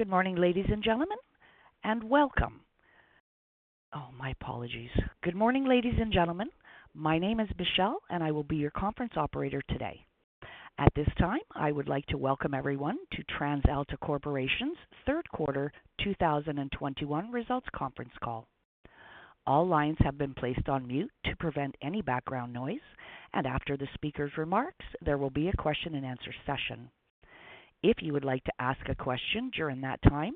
Good morning, ladies and gentlemen. My name is Michelle, and I will be your conference operator today. At this time, I would like to welcome everyone to TransAlta Corporation's Q3 2021 results conference call. All lines have been placed on mute to prevent any background noise, and after the speaker's remarks, there will be a question-and-answer session. If you would like to ask a question during that time,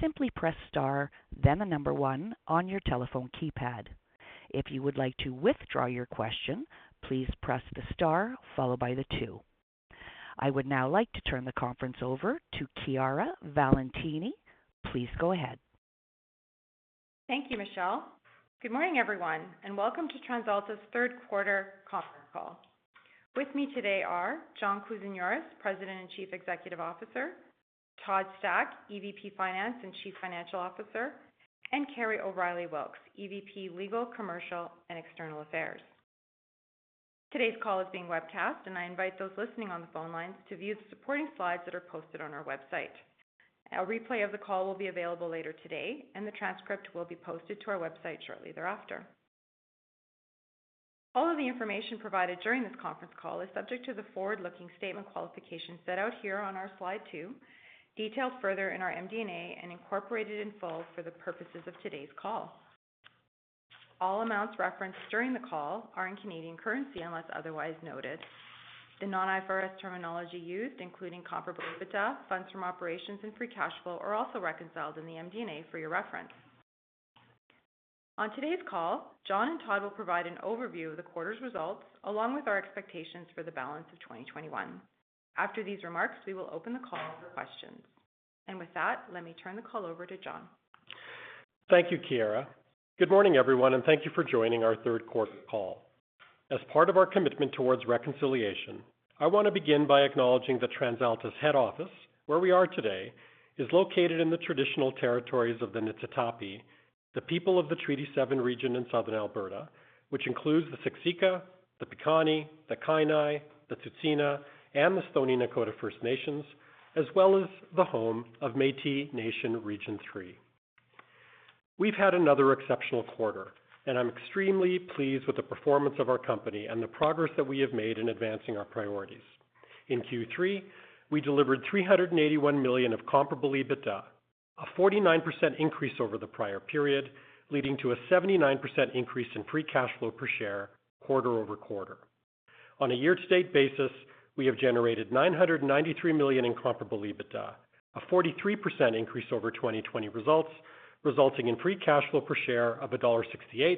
simply press star then one on your telephone keypad. If you would like to withdraw your question, please press the star followed by two. I would now like to turn the conference over to Chiara Valentini. Please go ahead. Thank you, Michelle. Good morning, everyone, and welcome to TransAlta's Q3 conference call. With me today are John Kousinioris, President and Chief Executive Officer, Todd Stack, EVP Finance and Chief Financial Officer, and Kerry O'Reilly Wilks, EVP Legal, Commercial and External Affairs. Today's call is being webcast, and I invite those listening on the phone lines to view the supporting slides that are posted on our website. A replay of the call will be available later today and the transcript will be posted to our website shortly thereafter. All of the information provided during this conference call is subject to the forward-looking statement qualifications set out here on our slide two, detailed further in our MD&A and incorporated in full for the purposes of today's call. All amounts referenced during the call are in Canadian currency, unless otherwise noted. The non-IFRS terminology used, including comparable EBITDA, funds from operations, and free cash flow are also reconciled in the MD&A for your reference. On today's call, John and Todd will provide an overview of the quarter's results, along with our expectations for the balance of 2021. After these remarks, we will open the call for questions. With that, let me turn the call over to John. Thank you, Chiara. Good morning, everyone, and thank you for joining our Q3 call. As part of our commitment towards reconciliation, I want to begin by acknowledging that TransAlta's head office, where we are today, is located in the traditional territories of the Niitsitapi, the people of the Treaty 7 region in southern Alberta, which includes the Siksika, the Piikani, the Kainai, the Tsuu T'ina, and the Stoney Nakoda First Nations, as well as the home of the Métis Nation Region Three. We've had another exceptional quarter, and I'm extremely pleased with the performance of our company and the progress that we have made in advancing our priorities. In Q3, we delivered 381 million of comparable EBITDA, a 49% increase over the prior period, leading to a 79% increase in free cash flow per share quarter-over-quarter. On a year-to-date basis, we have generated 993 million in comparable EBITDA, a 43% increase over 2020 results, resulting in free cash flow per share of dollar 1.68,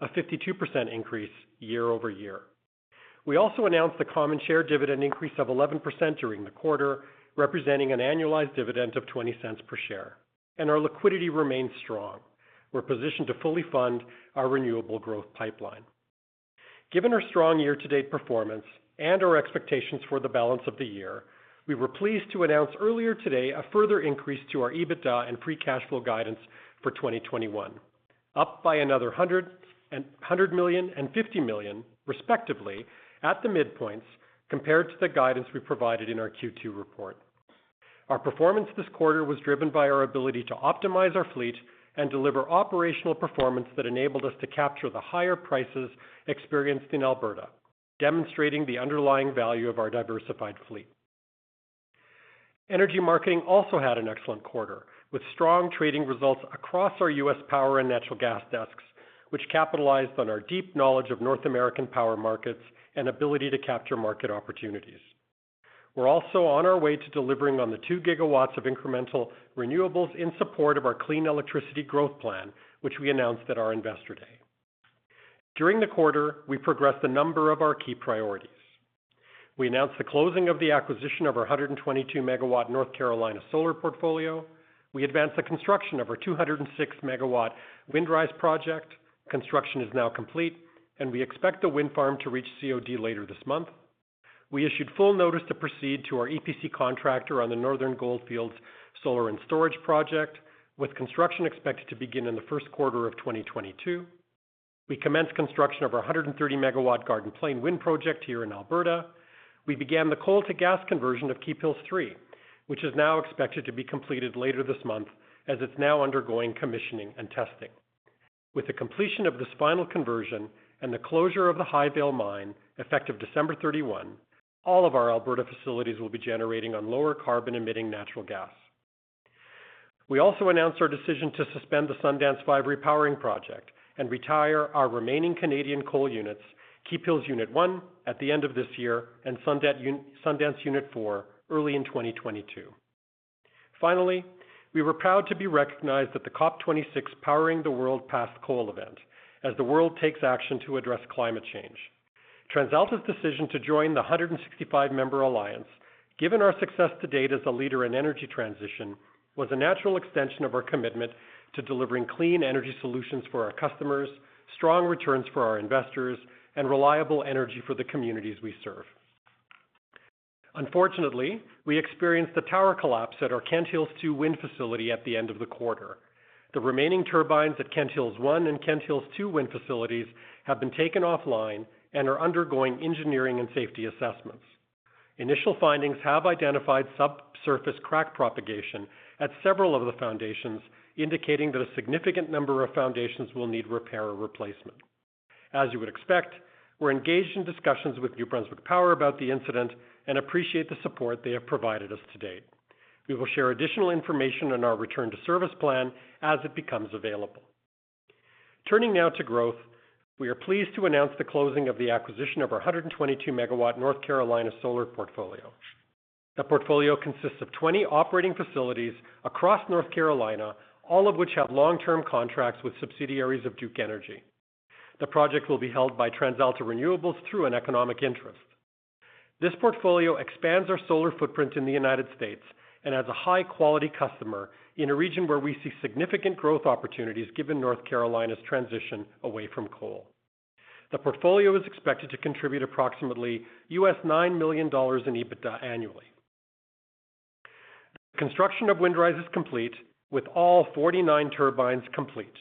a 52% increase year-over-year. We also announced the common share dividend increase of 11% during the quarter, representing an annualized dividend of 0.20 per share. Our liquidity remains strong. We're positioned to fully fund our renewable growth pipeline. Given our strong year-to-date performance and our expectations for the balance of the year, we were pleased to announce earlier today a further increase to our EBITDA and free cash flow guidance for 2021, up by another 100 million and 50 million, respectively, at the midpoints compared to the guidance we provided in our Q2 report. Our performance this quarter was driven by our ability to optimize our fleet and deliver operational performance that enabled us to capture the higher prices experienced in Alberta, demonstrating the underlying value of our diversified fleet. Energy Marketing also had an excellent quarter, with strong trading results across our U.S. power and natural gas desks, which capitalized on our deep knowledge of North American power markets and ability to capture market opportunities. We're also on our way to delivering on the 2-gigawatts of incremental renewables in support of our clean electricity growth plan, which we announced at our Investor Day. During the quarter, we progressed a number of our key priorities. We announced the closing of the acquisition of our 122 megawatt North Carolina solar portfolio. We advanced the construction of our 206 megawatt Windrise project. Construction is now complete, and we expect the wind farm to reach COD later this month. We issued full notice to proceed to our EPC contractor on the Northern Goldfields solar and storage project, with construction expected to begin in the Q1 2022. We commenced construction of our 130 megawatt Garden Plain wind project here in Alberta. We began the coal-to-gas conversion of Keephills 3, which is now expected to be completed later this month as it's now undergoing commissioning and testing. With the completion of this final conversion and the closure of the Highvale Mine, effective December 31, all of our Alberta facilities will be generating on lower carbon-emitting natural gas. We also announced our decision to suspend the Sundance 5 repowering project and retire our remaining Canadian coal units, Keephills Unit 1 at the end of this year and Sundance Unit 4 early in 2022. Finally, we were proud to be recognized at the COP26 Powering the World Past Coal event as the world takes action to address climate change. TransAlta's decision to join the 165 member alliance, given our success to date as a leader in energy transition, was a natural extension of our commitment to delivering clean energy solutions for our customers, strong returns for our investors, and reliable energy for the communities we serve. Unfortunately, we experienced a tower collapse at our Kent Hills Two wind facility at the end of the quarter. The remaining turbines at Kent Hills One and Kent Hills Two wind facilities have been taken offline and are undergoing engineering and safety assessments. Initial findings have identified subsurface crack propagation at several of the foundations, indicating that a significant number of foundations will need repair or replacement. As you would expect, we're engaged in discussions with New Brunswick Power about the incident and appreciate the support they have provided us to date. We will share additional information on our return to service plan as it becomes available. Turning now to growth. We are pleased to announce the closing of the acquisition of our 122 megawatt North Carolina solar portfolio. The portfolio consists of 20 operating facilities across North Carolina, all of which have long-term contracts with subsidiaries of Duke Energy. The project will be held by TransAlta Renewables through an economic interest. This portfolio expands our solar footprint in the U.S. and has a high quality customer in a region where we see significant growth opportunities, given North Carolina's transition away from coal. The portfolio is expected to contribute approximately $9 million in EBITDA annually. The construction of Windrise is complete, with all 49 turbines complete.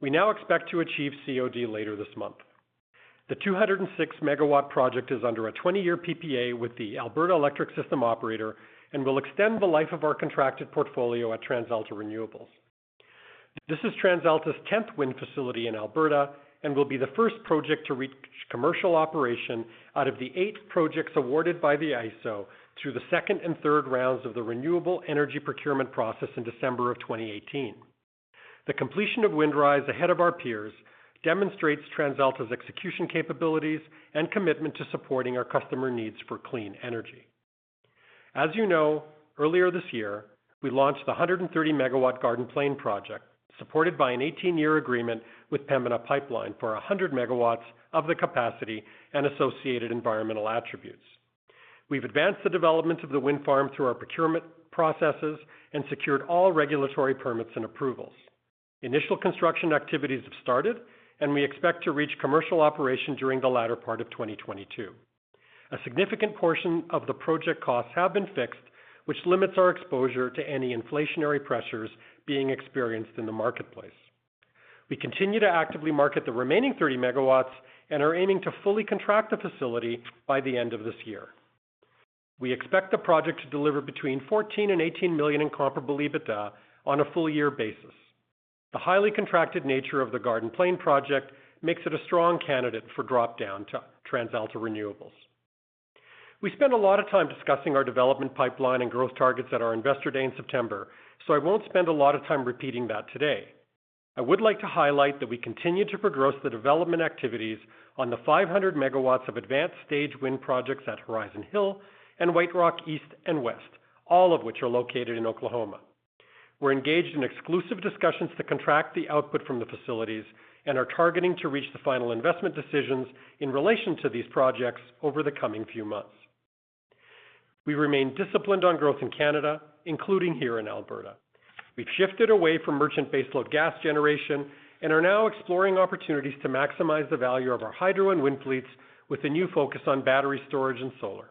We now expect to achieve COD later this month. The 206 megawatt project is under a 20 year PPA with the Alberta Electric System Operator and will extend the life of our contracted portfolio at TransAlta Renewables. This is TransAlta's 10th wind facility in Alberta and will be the first project to reach commercial operation out of the eight projects awarded by the ISO through the second and third rounds of the Renewable Energy Procurement Process in December 2018. The completion of Windrise ahead of our peers demonstrates TransAlta's execution capabilities and commitment to supporting our customer needs for clean energy. As you know, earlier this year, we launched the 130 megawatt Garden Plain project, supported by an 18-year agreement with Pembina Pipeline for 100 megawatt of the capacity and associated environmental attributes. We've advanced the development of the wind farm through our procurement processes and secured all regulatory permits and approvals. Initial construction activities have started, and we expect to reach commercial operation during the latter part of 2022. A significant portion of the project costs have been fixed, which limits our exposure to any inflationary pressures being experienced in the marketplace. We continue to actively market the remaining 30 megawatt and are aiming to fully contract the facility by the end of this year. We expect the project to deliver between 14 million and 18 million in comparable EBITDA on a full-year basis. The highly contracted nature of the Garden Plain project makes it a strong candidate for drop-down to TransAlta Renewables. We spent a lot of time discussing our development pipeline and growth targets at our Investor Day in September, so I won't spend a lot of time repeating that today. I would like to highlight that we continue to progress the development activities on the 500 megawatt of advanced-stage wind projects at Horizon Hill and White Rock East and West, all of which are located in Oklahoma. We're engaged in exclusive discussions to contract the output from the facilities and are targeting to reach the final investment decisions in relation to these projects over the coming few months. We remain disciplined on growth in Canada, including here in Alberta. We've shifted away from merchant baseload gas generation and are now exploring opportunities to maximize the value of our hydro and wind fleets with a new focus on battery storage and solar.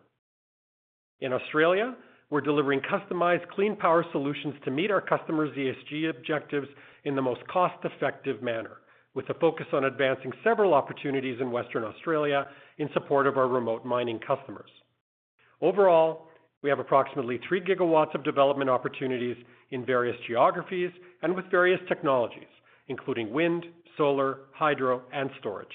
In Australia, we're delivering customized clean power solutions to meet our customers' ESG objectives in the most cost-effective manner, with a focus on advancing several opportunities in Western Australia in support of our remote mining customers. Overall, we have approximately 3 gigawatt of development opportunities in various geographies and with various technologies, including wind, solar, hydro, and storage.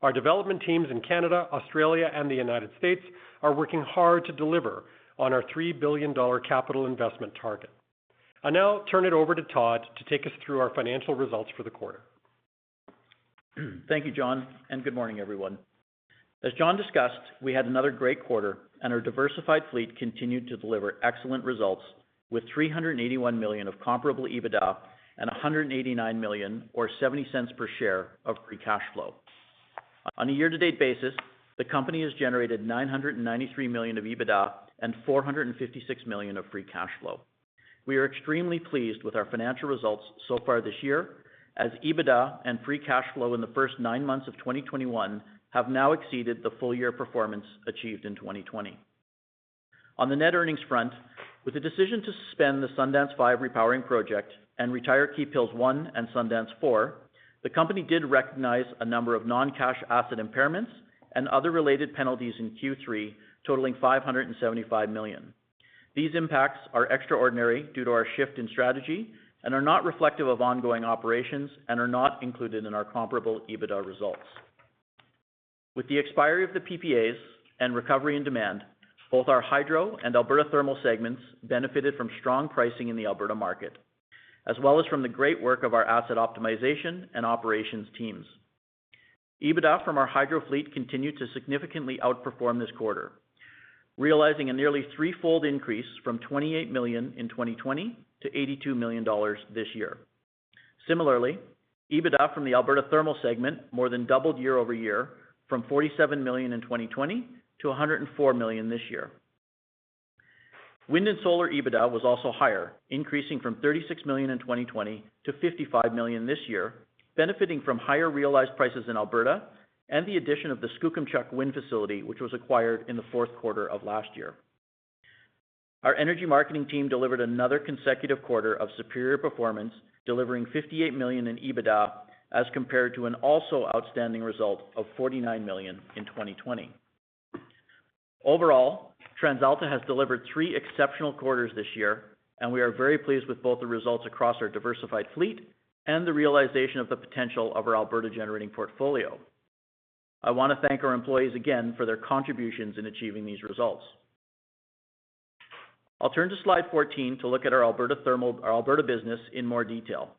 Our development teams in Canada, Australia, and the United States are working hard to deliver on our 3 billion dollar capital investment target. I now turn it over to Todd to take us through our financial results for the quarter. Thank you, John, and good morning, everyone. As John discussed, we had another great quarter and our diversified fleet continued to deliver excellent results with 381 million of comparable EBITDA and 189 million or 0.70 per share of free cash flow. On a year-to-date basis, the company has generated 993 million of EBITDA and 456 million of free cash flow. We are extremely pleased with our financial results so far this year, as EBITDA and free cash flow in the first nine months of 2021 have now exceeded the full-year performance achieved in 2020. On the net earnings front, with the decision to suspend the Sundance 5 Repowering Project and retire Keephills 1 and Sundance 4, the company did recognize a number of non-cash asset impairments and other related penalties in Q3 totaling 575 million. These impacts are extraordinary due to our shift in strategy and are not reflective of ongoing operations and are not included in our comparable EBITDA results. With the expiry of the PPAs and recovery in demand, both our Hydro and Alberta Thermal segments benefited from strong pricing in the Alberta market, as well as from the great work of our asset optimization and operations teams. EBITDA from our Hydro fleet continued to significantly outperform this quarter, realizing a nearly threefold increase from 28 million in 2020 to 82 million dollars this year. Similarly, EBITDA from the Alberta Thermal segment more than doubled year over year from 47 million in 2020 to 104 million this year. Wind and solar EBITDA was also higher, increasing from 36 million in 2020 to 55 million this year, benefiting from higher realized prices in Alberta and the addition of the Skookumchuck Wind facility, which was acquired in the Q4 of last year. Our Energy Marketing team delivered another consecutive quarter of superior performance, delivering 58 million in EBITDA as compared to an also outstanding result of 49 million in 2020. Overall, TransAlta has delivered three exceptional quarters this year, and we are very pleased with both the results across our diversified fleet and the realization of the potential of our Alberta generating portfolio. I want to thank our employees again for their contributions in achieving these results. I'll turn to Slide 14 to look at our Alberta business in more detail.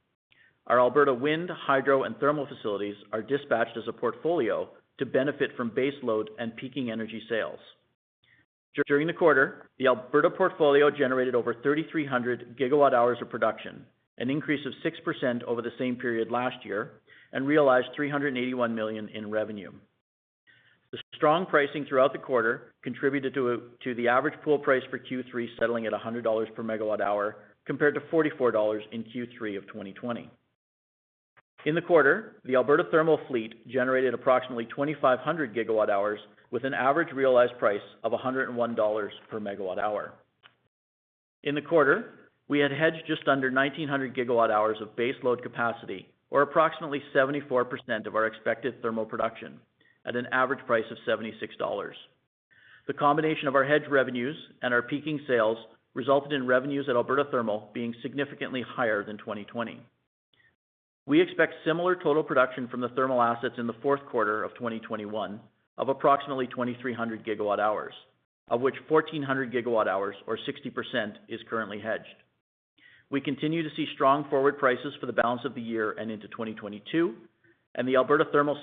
Our Alberta wind, hydro, and thermal facilities are dispatched as a portfolio to benefit from base load and peaking energy sales. During the quarter, the Alberta portfolio generated over 3,300 gigawatt hours of production, an increase of 6% over the same period last year, and realized 381 million in revenue. The strong pricing throughout the quarter contributed to the average pool price for Q3 settling at 100 dollars per megawatt hour, compared to 44 dollars in Q3 of 2020. In the quarter, the Alberta thermal fleet generated approximately 2,500 gigawatt hours with an average realized price of 101 dollars per megawatt hour. In the quarter, we had hedged just under 1,900 gigawatt hours of base load capacity, or approximately 74% of our expected thermal production at an average price of 76 dollars. The combination of our hedged revenues and our peaking sales resulted in revenues at Alberta Thermal being significantly higher than 2020. We expect similar total production from the thermal assets in the Q4 2021 of approximately 2,300 gigawatt hours, of which 1,400 gigawatt hours or 60% is currently hedged. We continue to see strong forward prices for the balance of the year and into 2022, and the Alberta Thermal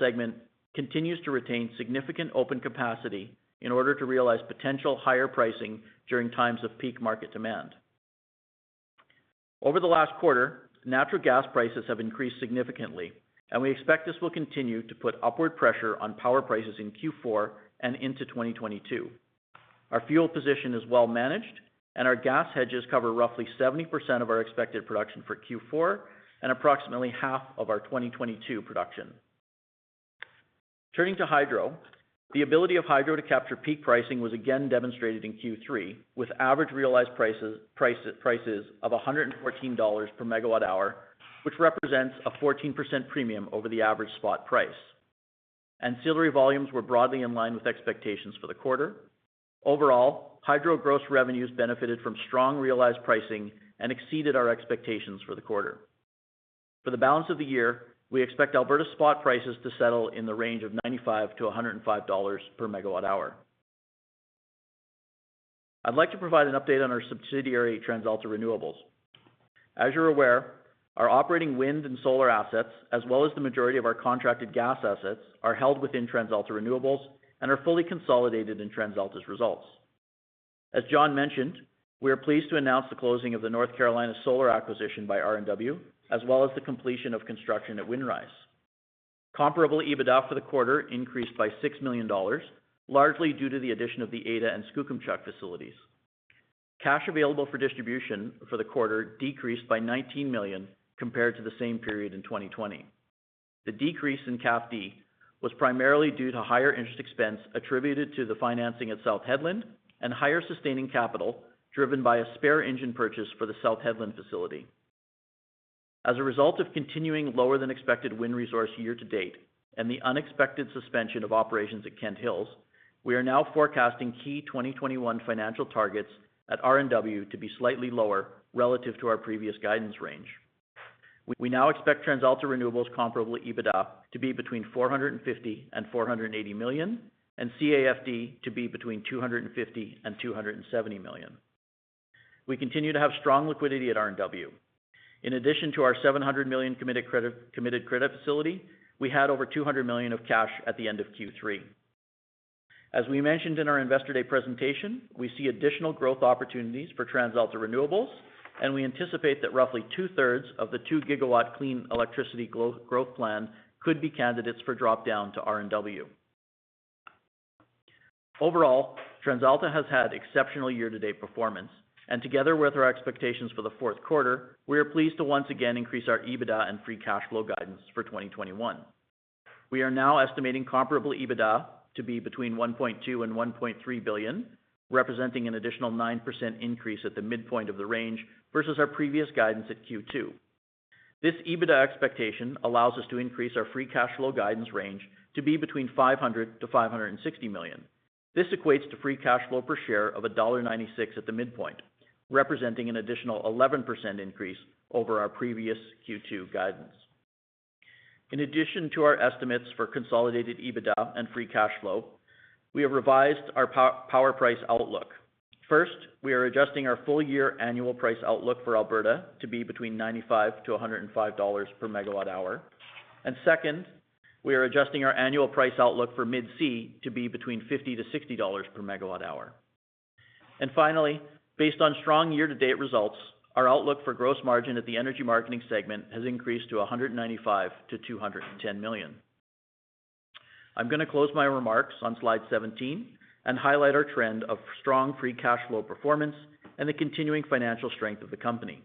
segment continues to retain significant open capacity in order to realize potential higher pricing during times of peak market demand. Over the last quarter, natural gas prices have increased significantly, and we expect this will continue to put upward pressure on power prices in Q4 and into 2022. Our fuel position is well managed and our gas hedges cover roughly 70% of our expected production for Q4 and approximately 50% of our 2022 production. Turning to hydro. The ability of hydro to capture peak pricing was again demonstrated in Q3, with average realized prices of 114 dollars per megawatt hour, which represents a 14% premium over the average spot price. Ancillary volumes were broadly in line with expectations for the quarter. Overall, hydro gross revenues benefited from strong realized pricing and exceeded our expectations for the quarter. For the balance of the year, we expect Alberta spot prices to settle in the range of 95-105 dollars per megawatt hour. I'd like to provide an update on our subsidiary, TransAlta Renewables. As you're aware, our operating wind and solar assets, as well as the majority of our contracted gas assets, are held within TransAlta Renewables and are fully consolidated in TransAlta's results. As John mentioned, we are pleased to announce the closing of the North Carolina solar acquisition by RNW, as well as the completion of construction at Windrise. Comparable EBITDA for the quarter increased by 6 million dollars, largely due to the addition of the Ada and Skookumchuck facilities. Cash available for distribution for the quarter decreased by 19 million compared to the same period in 2020. The decrease in CAFD was primarily due to higher interest expense attributed to the financing at South Hedland and higher sustaining capital driven by a spare engine purchase for the South Hedland facility. As a result of continuing lower-than-expected wind resource year to date and the unexpected suspension of operations at Kent Hills, we are now forecasting key 2021 financial targets at RNW to be slightly lower relative to our previous guidance range. We now expect TransAlta Renewables comparable EBITDA to be between 450 million and 480 million, and CAFD to be between 250 million and 270 million. We continue to have strong liquidity at RNW. In addition to our 700 million committed credit facility, we had over 200 million of cash at the end of Q3. As we mentioned in our Investor Day presentation, we see additional growth opportunities for TransAlta Renewables, and we anticipate that roughly two-thirds of the 2 gigawatt clean electricity growth plan could be candidates for drop-down to RNW. Overall, TransAlta has had exceptional year-to-date performance. Together with our expectations for the fourth quarter, we are pleased to once again increase our EBITDA and free cash flow guidance for 2021. We are now estimating comparable EBITDA to be between 1.2 billion and 1.3 billion, representing an additional 9% increase at the midpoint of the range versus our previous guidance at Q2. This EBITDA expectation allows us to increase our free cash flow guidance range to be between 500 million and 560 million. This equates to free cash flow per share of dollar 1.96 at the midpoint, representing an additional 11% increase over our previous Q2 guidance. In addition to our estimates for consolidated EBITDA and free cash flow, we have revised our power price outlook. First, we are adjusting our full year annual price outlook for Alberta to be between 95-105 dollars per megawatt hour. Second, we are adjusting our annual price outlook for Mid-C to be between 50-60 dollars per megawatt hour. Finally, based on strong year-to-date results, our outlook for gross margin at the Energy Marketing segment has increased to 195-210 million. I'm going to close my remarks on slide 17 and highlight our trend of strong free cash flow performance and the continuing financial strength of the company.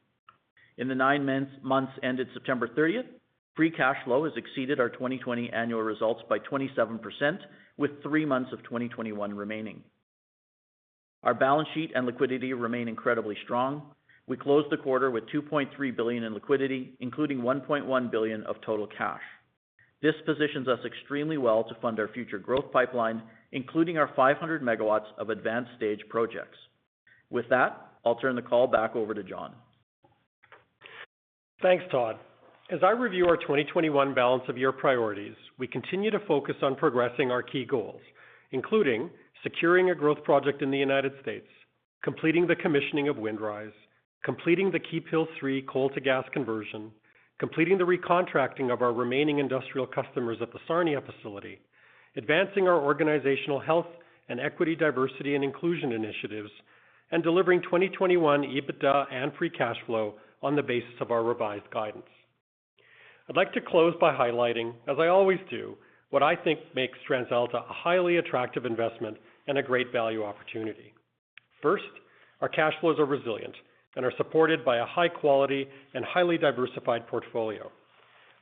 In the nine months ended September 30, free cash flow has exceeded our 2020 annual results by 27%, with three months of 2021 remaining. Our balance sheet and liquidity remain incredibly strong. We closed the quarter with 2.3 billion in liquidity, including 1.1 billion of total cash. This positions us extremely well to fund our future growth pipeline, including our 500 megawatt of advanced-stage projects. With that, I'll turn the call back over to John. Thanks, Todd. As I review our 2021 balance of year priorities, we continue to focus on progressing our key goals, including securing a growth project in the United States, completing the commissioning of Windrise, completing the Keephills 3 coal to gas conversion, completing the recontracting of our remaining industrial customers at the Sarnia facility, advancing our organizational health and equity, diversity and inclusion initiatives, and delivering 2021 EBITDA and free cash flow on the basis of our revised guidance. I'd like to close by highlighting, as I always do, what I think makes TransAlta a highly attractive investment and a great value opportunity. First, our cash flows are resilient and are supported by a high quality and highly diversified portfolio.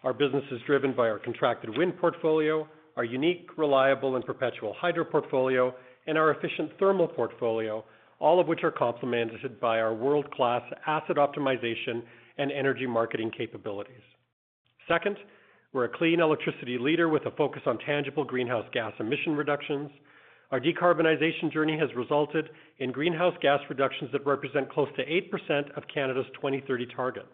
Our business is driven by our contracted wind portfolio, our unique, reliable and perpetual hydro portfolio, and our efficient thermal portfolio, all of which are complemented by our world-class asset optimization and energy marketing capabilities. Second, we're a clean electricity leader with a focus on tangible greenhouse gas emission reductions. Our decarbonization journey has resulted in greenhouse gas reductions that represent close to 8% of Canada's 2030 target.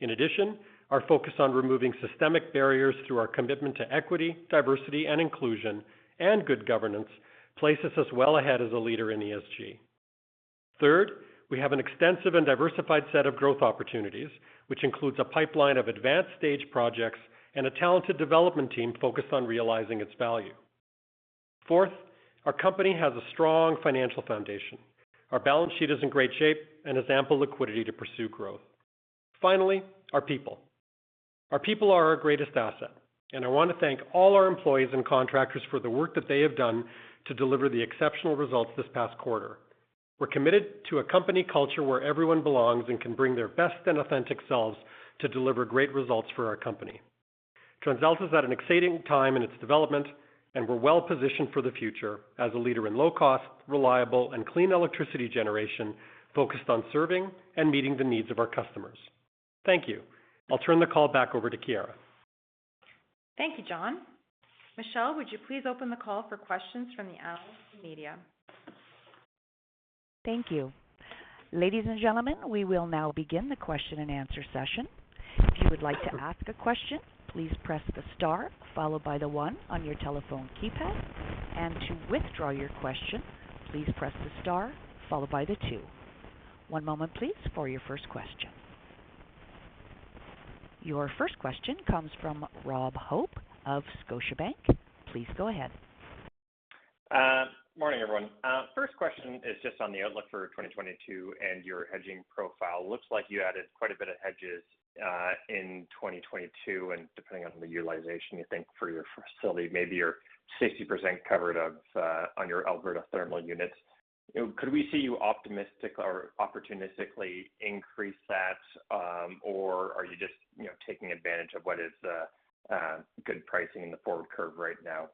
In addition, our focus on removing systemic barriers through our commitment to equity, diversity and inclusion and good governance places us well ahead as a leader in ESG. Third, we have an extensive and diversified set of growth opportunities, which includes a pipeline of advanced stage projects and a talented development team focused on realizing its value. Fourth, our company has a strong financial foundation. Our balance sheet is in great shape and has ample liquidity to pursue growth. Finally, our people. Our people are our greatest asset, and I want to thank all our employees and contractors for the work that they have done to deliver the exceptional results this past quarter. We're committed to a company culture where everyone belongs and can bring their best and authentic selves to deliver great results for our company. TransAlta is at an exciting time in its development, and we're well positioned for the future as a leader in low-cost, reliable and clean electricity generation focused on serving and meeting the needs of our customers. Thank you. I'll turn the call back over to Chiara. Thank you, John. Michelle, would you please open the call for questions from the analyst and media? Thank you. Ladies and gentlemen, we will now begin the question and answer session. If you would like to ask a question, please press the star followed by the one on your telephone keypad. To withdraw your question, please press the star followed by the two. One moment, please, for your first question. Your first question comes from Rob Hope of Scotiabank. Please go ahead. Morning, everyone. First question is just on the outlook for 2022 and your hedging profile. Looks like you added quite a bit of hedges in 2022, and depending on the utilization, you think for your facility, maybe you're 60% covered of on your Alberta thermal units. Could we see you optimistic or opportunistically increase that? Are you just, you know, taking advantage of what is good pricing in the forward curve right now?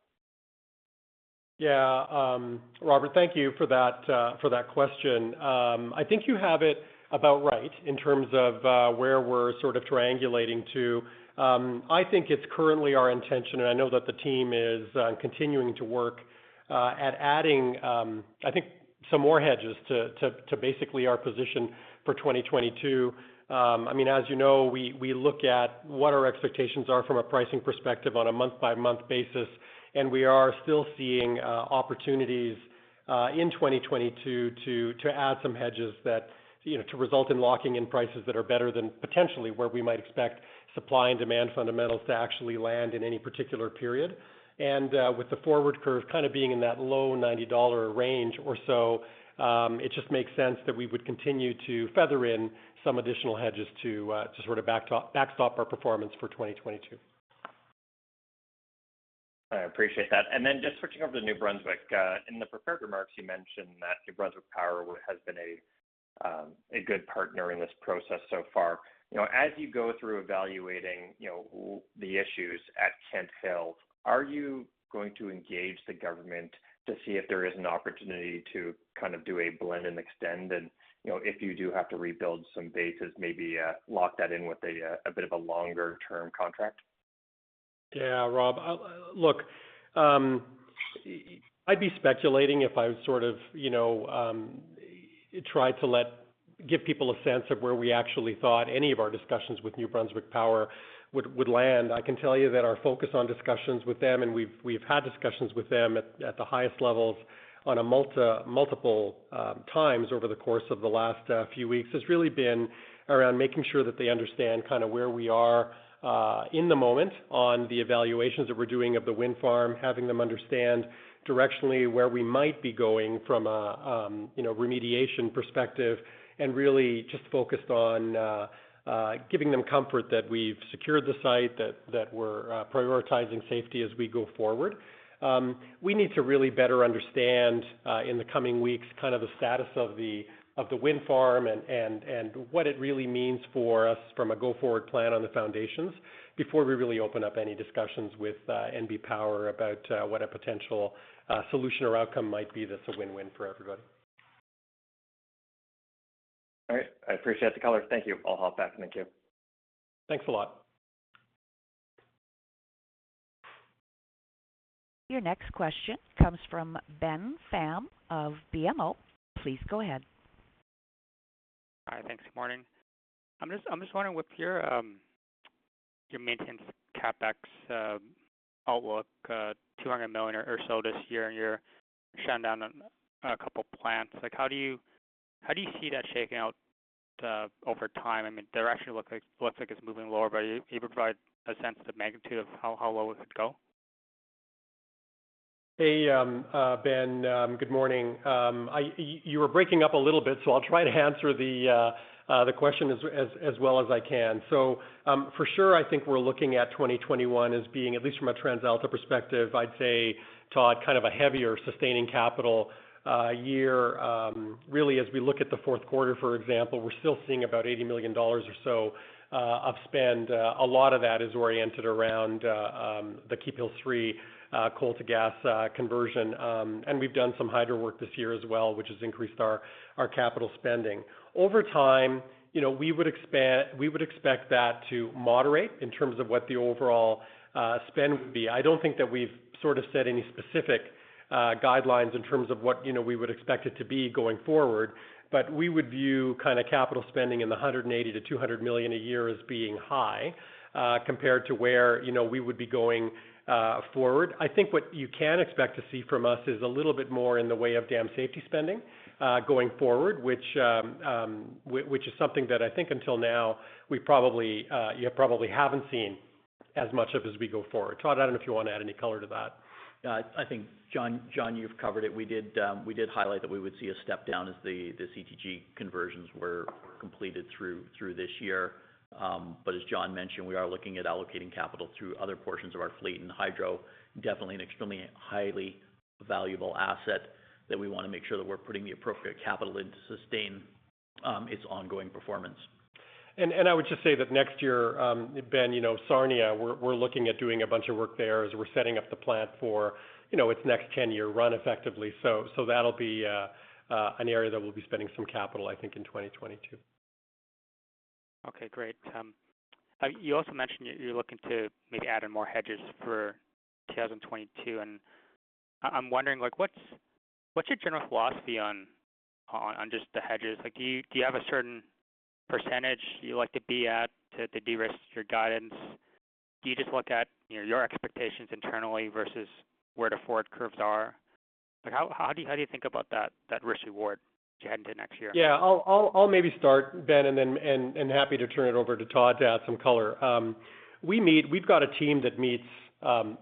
Yeah. Robert, thank you for that question. I think you have it about right in terms of where we're sort of triangulating to. I think it's currently our intention, and I know that the team is continuing to work at adding I think some more hedges to basically our position for 2022. I mean, as you know, we look at what our expectations are from a pricing perspective on a month-by-month basis, and we are still seeing opportunities in 2022 to add some hedges that, you know, to result in locking in prices that are better than potentially where we might expect supply and demand fundamentals to actually land in any particular period. With the forward curve kind of being in that low 90 dollar range or so, it just makes sense that we would continue to feather in some additional hedges to sort of backstop our performance for 2022. I appreciate that. Then just switching over to New Brunswick. In the prepared remarks, you mentioned that New Brunswick Power has been a good partner in this process so far. You know, as you go through evaluating, you know, the issues at Kent Hills, are you going to engage the government to see if there is an opportunity to kind of do a blend and extend? You know, if you do have to rebuild some bases, maybe lock that in with a bit of a longer-term contract? Yeah, Rob. Look, I'd be speculating if I sort of, you know, tried to give people a sense of where we actually thought any of our discussions with New Brunswick Power would land. I can tell you that our focus on discussions with them, and we've had discussions with them at the highest levels on a multiple times over the course of the last few weeks, has really been around making sure that they understand kind of where we are in the moment on the evaluations that we're doing of the wind farm, having them understand directionally where we might be going from a remediation perspective, and really just focused on giving them comfort that we've secured the site, that we're prioritizing safety as we go forward. We need to really better understand, in the coming weeks, kind of the status of the wind farm and what it really means for us from a go-forward plan on the foundations before we really open up any discussions with NB Power about what a potential solution or outcome might be that's a win-win for everybody. I appreciate the color. Thank you. I'll hop back. Thank you. Thanks a lot. Your next question comes from Ben Pham of BMO. Please go ahead. Hi. Thanks. Morning. I'm just wondering with your maintenance CapEx outlook 200 million or so this year, and you're shutting down a couple plants. Like, how do you see that shaking out over time? I mean, looks like it's moving lower, but you provide a sense of magnitude of how low would it go? Hey, Ben, good morning. You were breaking up a little bit, so I'll try to answer the question as well as I can. For sure, I think we're looking at 2021 as being, at least from a TransAlta perspective, I'd say, Todd, kind of a heavier sustaining capital year. Really, as we look at the fourth quarter, for example, we're still seeing about 80 million dollars or so of spend. A lot of that is oriented around the Keephills 3 coal to gas conversion. We've done some hydro work this year as well, which has increased our capital spending. Over time, you know, we would expect that to moderate in terms of what the overall spend would be. I don't think that we've sort of set any specific guidelines in terms of what, you know, we would expect it to be going forward. We would view kind of capital spending in the 180 million-200 million a year as being high, compared to where, you know, we would be going forward. I think what you can expect to see from us is a little bit more in the way of dam safety spending going forward, which is something that I think until now, you probably haven't seen as much of as we go forward. Todd, I don't know if you want to add any color to that. Yeah. I think, John, you've covered it. We did highlight that we would see a step down as the CTG conversions were completed through this year. As John mentioned, we are looking at allocating capital through other portions of our fleet and hydro, definitely an extremely highly valuable asset that we want to make sure that we're putting the appropriate capital in to sustain its ongoing performance. I would just say that next year, Ben, you know, Sarnia, we're looking at doing a bunch of work there as we're setting up the plant for, you know, its next ten-year run effectively. That'll be an area that we'll be spending some capital, I think, in 2022. Okay, great. You also mentioned you're looking to maybe add in more hedges for 2022, and I'm wondering, like, what's your general philosophy on just the hedges? Like, do you have a certain percentage you like to be at to de-risk your guidance? Do you just look at, you know, your expectations internally versus where the forward curves are? Like, how do you think about that risk reward as you head into next year? Yeah, I'll maybe start, Ben, and then happy to turn it over to Todd to add some color. We've got a team that meets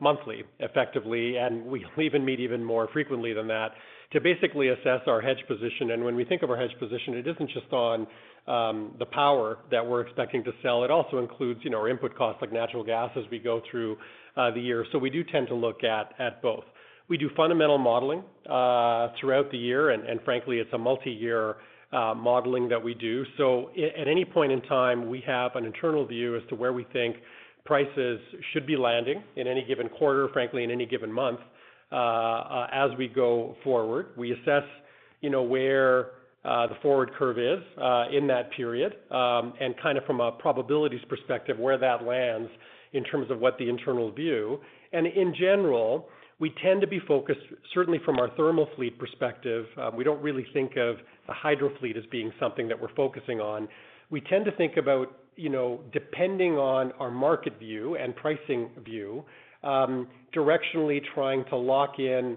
monthly effectively, and we'll even meet more frequently than that to basically assess our hedge position. When we think of our hedge position, it isn't just on the power that we're expecting to sell. It also includes, you know, our input costs like natural gas as we go through the year. We do tend to look at both. We do fundamental modeling throughout the year, and frankly, it's a multi-year modeling that we do. At any point in time, we have an internal view as to where we think prices should be landing in any given quarter, frankly, in any given month, as we go forward. We assess, you know, where the forward curve is in that period, and kind of from a probabilities perspective, where that lands in terms of what the internal view. In general, we tend to be focused, certainly from our thermal fleet perspective, we don't really think of the hydro fleet as being something that we're focusing on. We tend to think about, you know, depending on our market view and pricing view, directionally trying to lock in,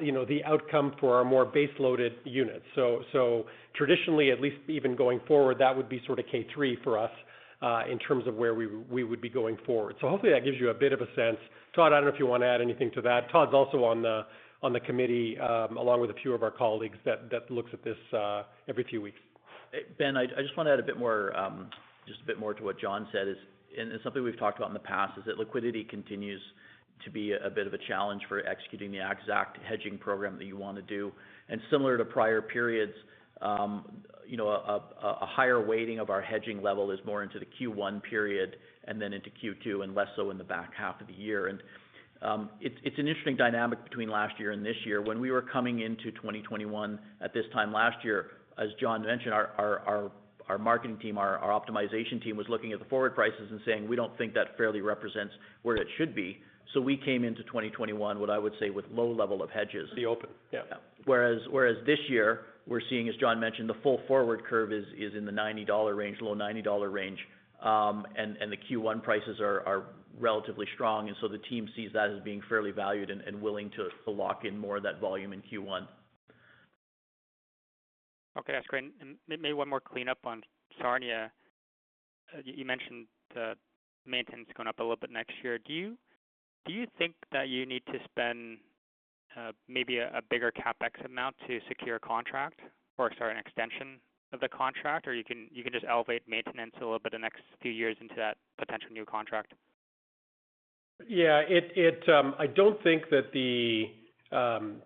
you know, the outcome for our more base-loaded units. So traditionally, at least even going forward, that would be sort of Keephills 3 for us in terms of where we would be going forward. Hopefully that gives you a bit of a sense. Todd, I don't know if you want to add anything to that. Todd's also on the committee, along with a few of our colleagues that looks at this every few weeks. Ben, I just want to add a bit more to what John said, and it's something we've talked about in the past, is that liquidity continues to be a bit of a challenge for executing the exact hedging program that you want to do. Similar to prior periods, you know, a higher weighting of our hedging level is more into the Q1 period and then into Q2 and less so in the back half of the year. It's an interesting dynamic between last year and this year. When we were coming into 2021 at this time last year, as John mentioned, our marketing team, our optimization team was looking at the forward prices and saying, "We don't think that fairly represents where it should be." We came into 2021, what I would say, with low level of hedges. The open. Yeah. Yeah. Whereas this year we're seeing, as John mentioned, the full forward curve is in the CAD 90 range, low CAD 90 range, and the Q1 prices are relatively strong. The team sees that as being fairly valued and willing to lock in more of that volume in Q1. Okay, that's great. Maybe one more cleanup on Sarnia. You mentioned the maintenance going up a little bit next year. Do you think that you need to spend maybe a bigger CapEx amount to secure a contract, or sorry, an extension of the contract? Or you can just elevate maintenance a little bit the next few years into that potential new contract? I don't think that the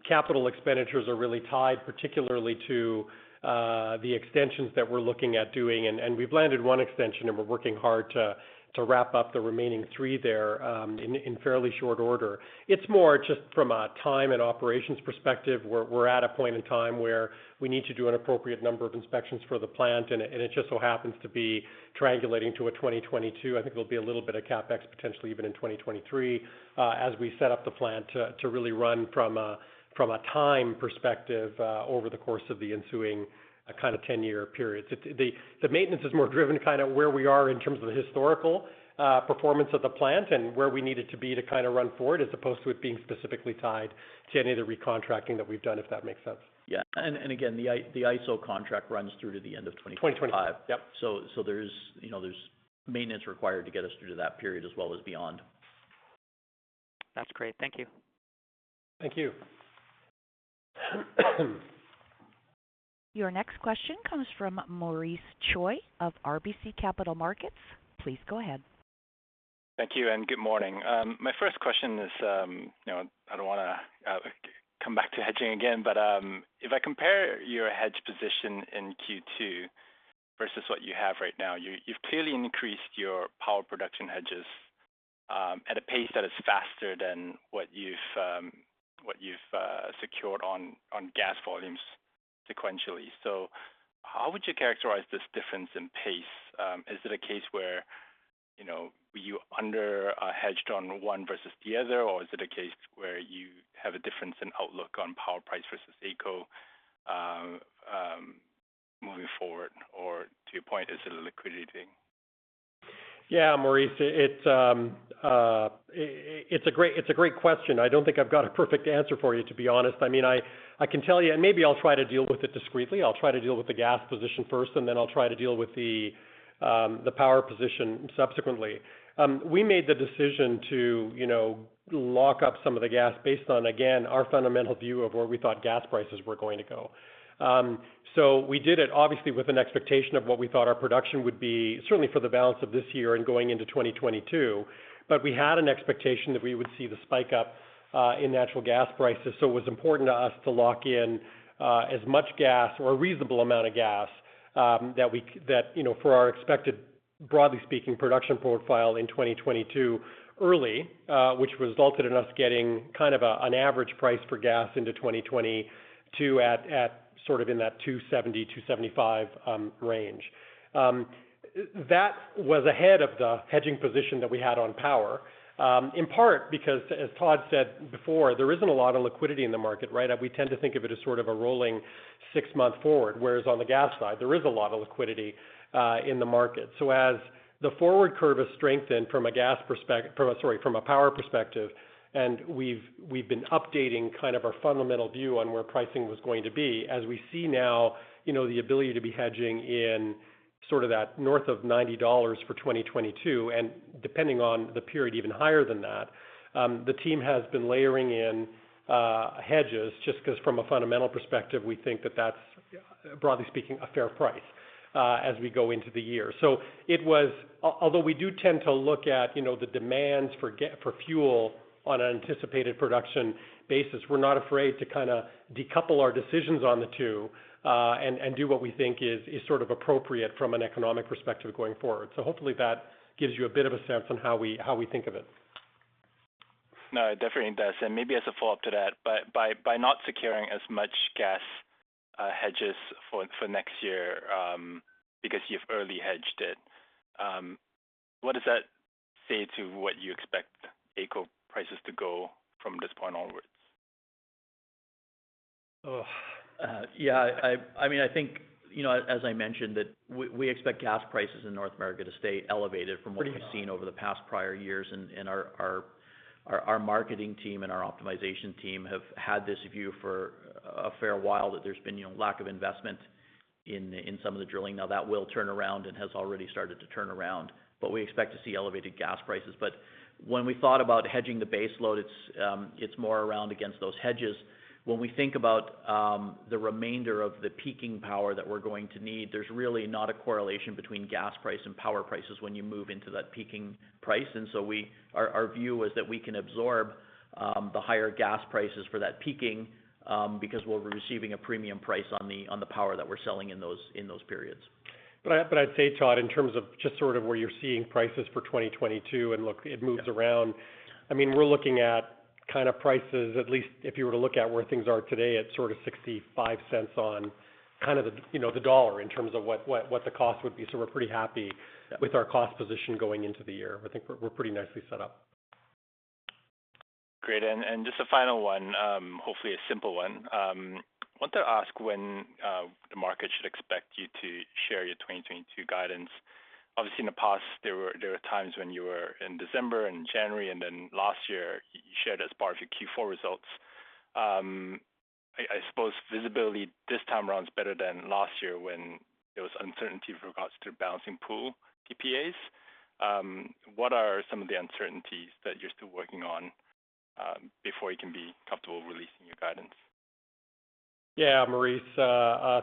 capital expenditures are really tied particularly to the extensions that we're looking at doing. We've landed one extension, and we're working hard to wrap up the remaining three there in fairly short order. It's more just from a time and operations perspective, we're at a point in time where we need to do an appropriate number of inspections for the plant, and it just so happens to be triangulating to 2022. I think there'll be a little bit of CapEx potentially even in 2023 as we set up the plant to really run from a time perspective over the course of the ensuing kind of ten-year period. The maintenance is more driven kind of where we are in terms of the historical performance of the plant and where we need it to be to kind of run forward, as opposed to it being specifically tied to any of the recontracting that we've done, if that makes sense. Yeah. Again, the ISO contract runs through to the end of 2025. 2025. Yep. You know, there's maintenance required to get us through to that period as well as beyond. That's great. Thank you. Thank you. Your next question comes from Maurice Choy of RBC Capital Markets. Please go ahead. Thank you, and good morning. My first question is, you know, I don't wanna come back to hedging again, but if I compare your hedge position in Q2 versus what you have right now, you've clearly increased your power production hedges at a pace that is faster than what you've secured on gas volumes sequentially. How would you characterize this difference in pace? Is it a case where, you know, were you under hedged on one versus the other, or is it a case where you have a difference in outlook on power price versus AECO moving forward? To your point, is it a liquidity? Yeah. Maurice, it's a great question. I don't think I've got a perfect answer for you, to be honest. I mean, I can tell you. Maybe I'll try to deal with it discreetly. I'll try to deal with the gas position first, and then I'll try to deal with the power position subsequently. We made the decision to, you know, lock up some of the gas based on, again, our fundamental view of where we thought gas prices were going to go. We did it obviously with an expectation of what we thought our production would be, certainly for the balance of this year and going into 2022. We had an expectation that we would see the spike up in natural gas prices, so it was important to us to lock in as much gas or a reasonable amount of gas that, you know, for our expected, broadly speaking, production profile in early 2022, which resulted in us getting kind of an average price for gas into 2022 at sort of in that 2.70-2.75 range. That was ahead of the hedging position that we had on power, in part, because as Todd said before, there isn't a lot of liquidity in the market, right? We tend to think of it as sort of a rolling six-month forward, whereas on the gas side, there is a lot of liquidity in the market. As the forward curve has strengthened from a power perspective, and we've been updating kind of our fundamental view on where pricing was going to be, as we see now the ability to be hedging in sort of that north of 90 dollars for 2022, and depending on the period, even higher than that, the team has been layering in hedges just 'cause from a fundamental perspective, we think that that's, broadly speaking, a fair price as we go into the year. Although we do tend to look at the demands for fuel on an anticipated production basis, we're not afraid to kind of decouple our decisions on the two, and do what we think is sort of appropriate from an economic perspective going forward. Hopefully that gives you a bit of a sense on how we think of it. No, it definitely does. Maybe as a follow-up to that, by not securing as much gas hedges for next year, because you've early hedged it, what does that say to what you expect AECO prices to go from this point onwards? I mean, I think, you know, as I mentioned, that we expect gas prices in North America to stay elevated from what we've seen over the past prior years. Our marketing team and our optimization team have had this view for a fair while, that there's been, you know, lack of investment in some of the drilling. Now, that will turn around and has already started to turn around, but we expect to see elevated gas prices. When we thought about hedging the base load, it's more around against those hedges. When we think about the remainder of the peaking power that we're going to need, there's really not a correlation between gas price and power prices when you move into that peaking price. Our view is that we can absorb the higher gas prices for that peaking because we'll be receiving a premium price on the power that we're selling in those periods. I'd say, Todd, in terms of just sort of where you're seeing prices for 2022, and look, it moves around. I mean, we're looking at kind of prices, at least if you were to look at where things are today at sort of 65 cents on kind of the dollar in terms of what the cost would be. We're pretty happy with our cost position going into the year. I think we're pretty nicely set up. Great. Just a final one, hopefully a simple one. Want to ask when the market should expect you to share your 2022 guidance. Obviously, in the past, there were times when you were in December and January, and then last year you shared as part of your Q4 results. I suppose visibility this time around is better than last year when there was uncertainty with regards to Balancing Pool PPAs. What are some of the uncertainties that you're still working on before you can be comfortable releasing your guidance? Yeah, Maurice,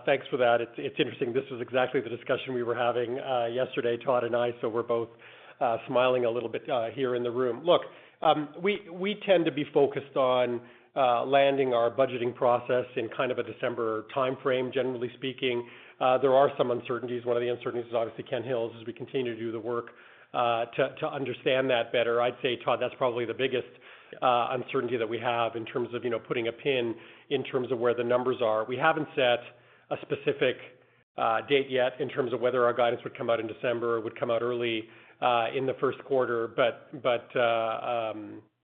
thanks for that. It's interesting. This was exactly the discussion we were having yesterday, Todd and I, so we're both smiling a little bit here in the room. Look, we tend to be focused on landing our budgeting process in kind of a December timeframe, generally speaking. There are some uncertainties. One of the uncertainties is obviously Kent Hills, as we continue to do the work to understand that better. I'd say, Todd, that's probably the biggest uncertainty that we have in terms of, you know, putting a pin in terms of where the numbers are. We haven't set a specific date yet in terms of whether our guidance would come out in December or would come out early in the Q1.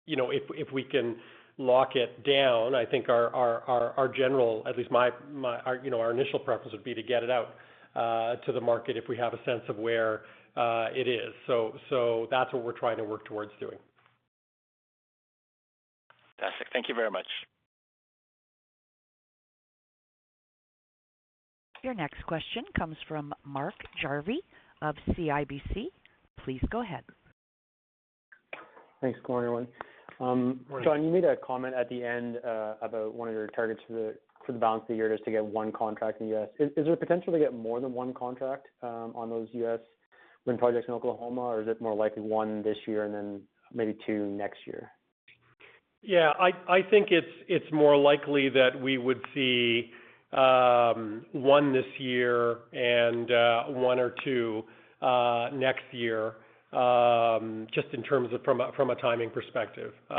You know, if we can lock it down, I think at least our initial preference would be to get it out to the market if we have a sense of where it is. That's what we're trying to work towards doing. Fantastic. Thank you very much. Your next question comes from Mark Jarvi of CIBC. Please go ahead. Thanks. Good morning, everyone. Morning. John, you made a comment at the end about one of your targets for the balance of the year just to get one contract in the U.S. Is there potential to get more than one contract on those U.S. wind projects in Oklahoma, or is it more likely one this year and then maybe two next year? Yeah. I think it's more likely that we would see one this year and one or two next year, just in terms of from a timing perspective. You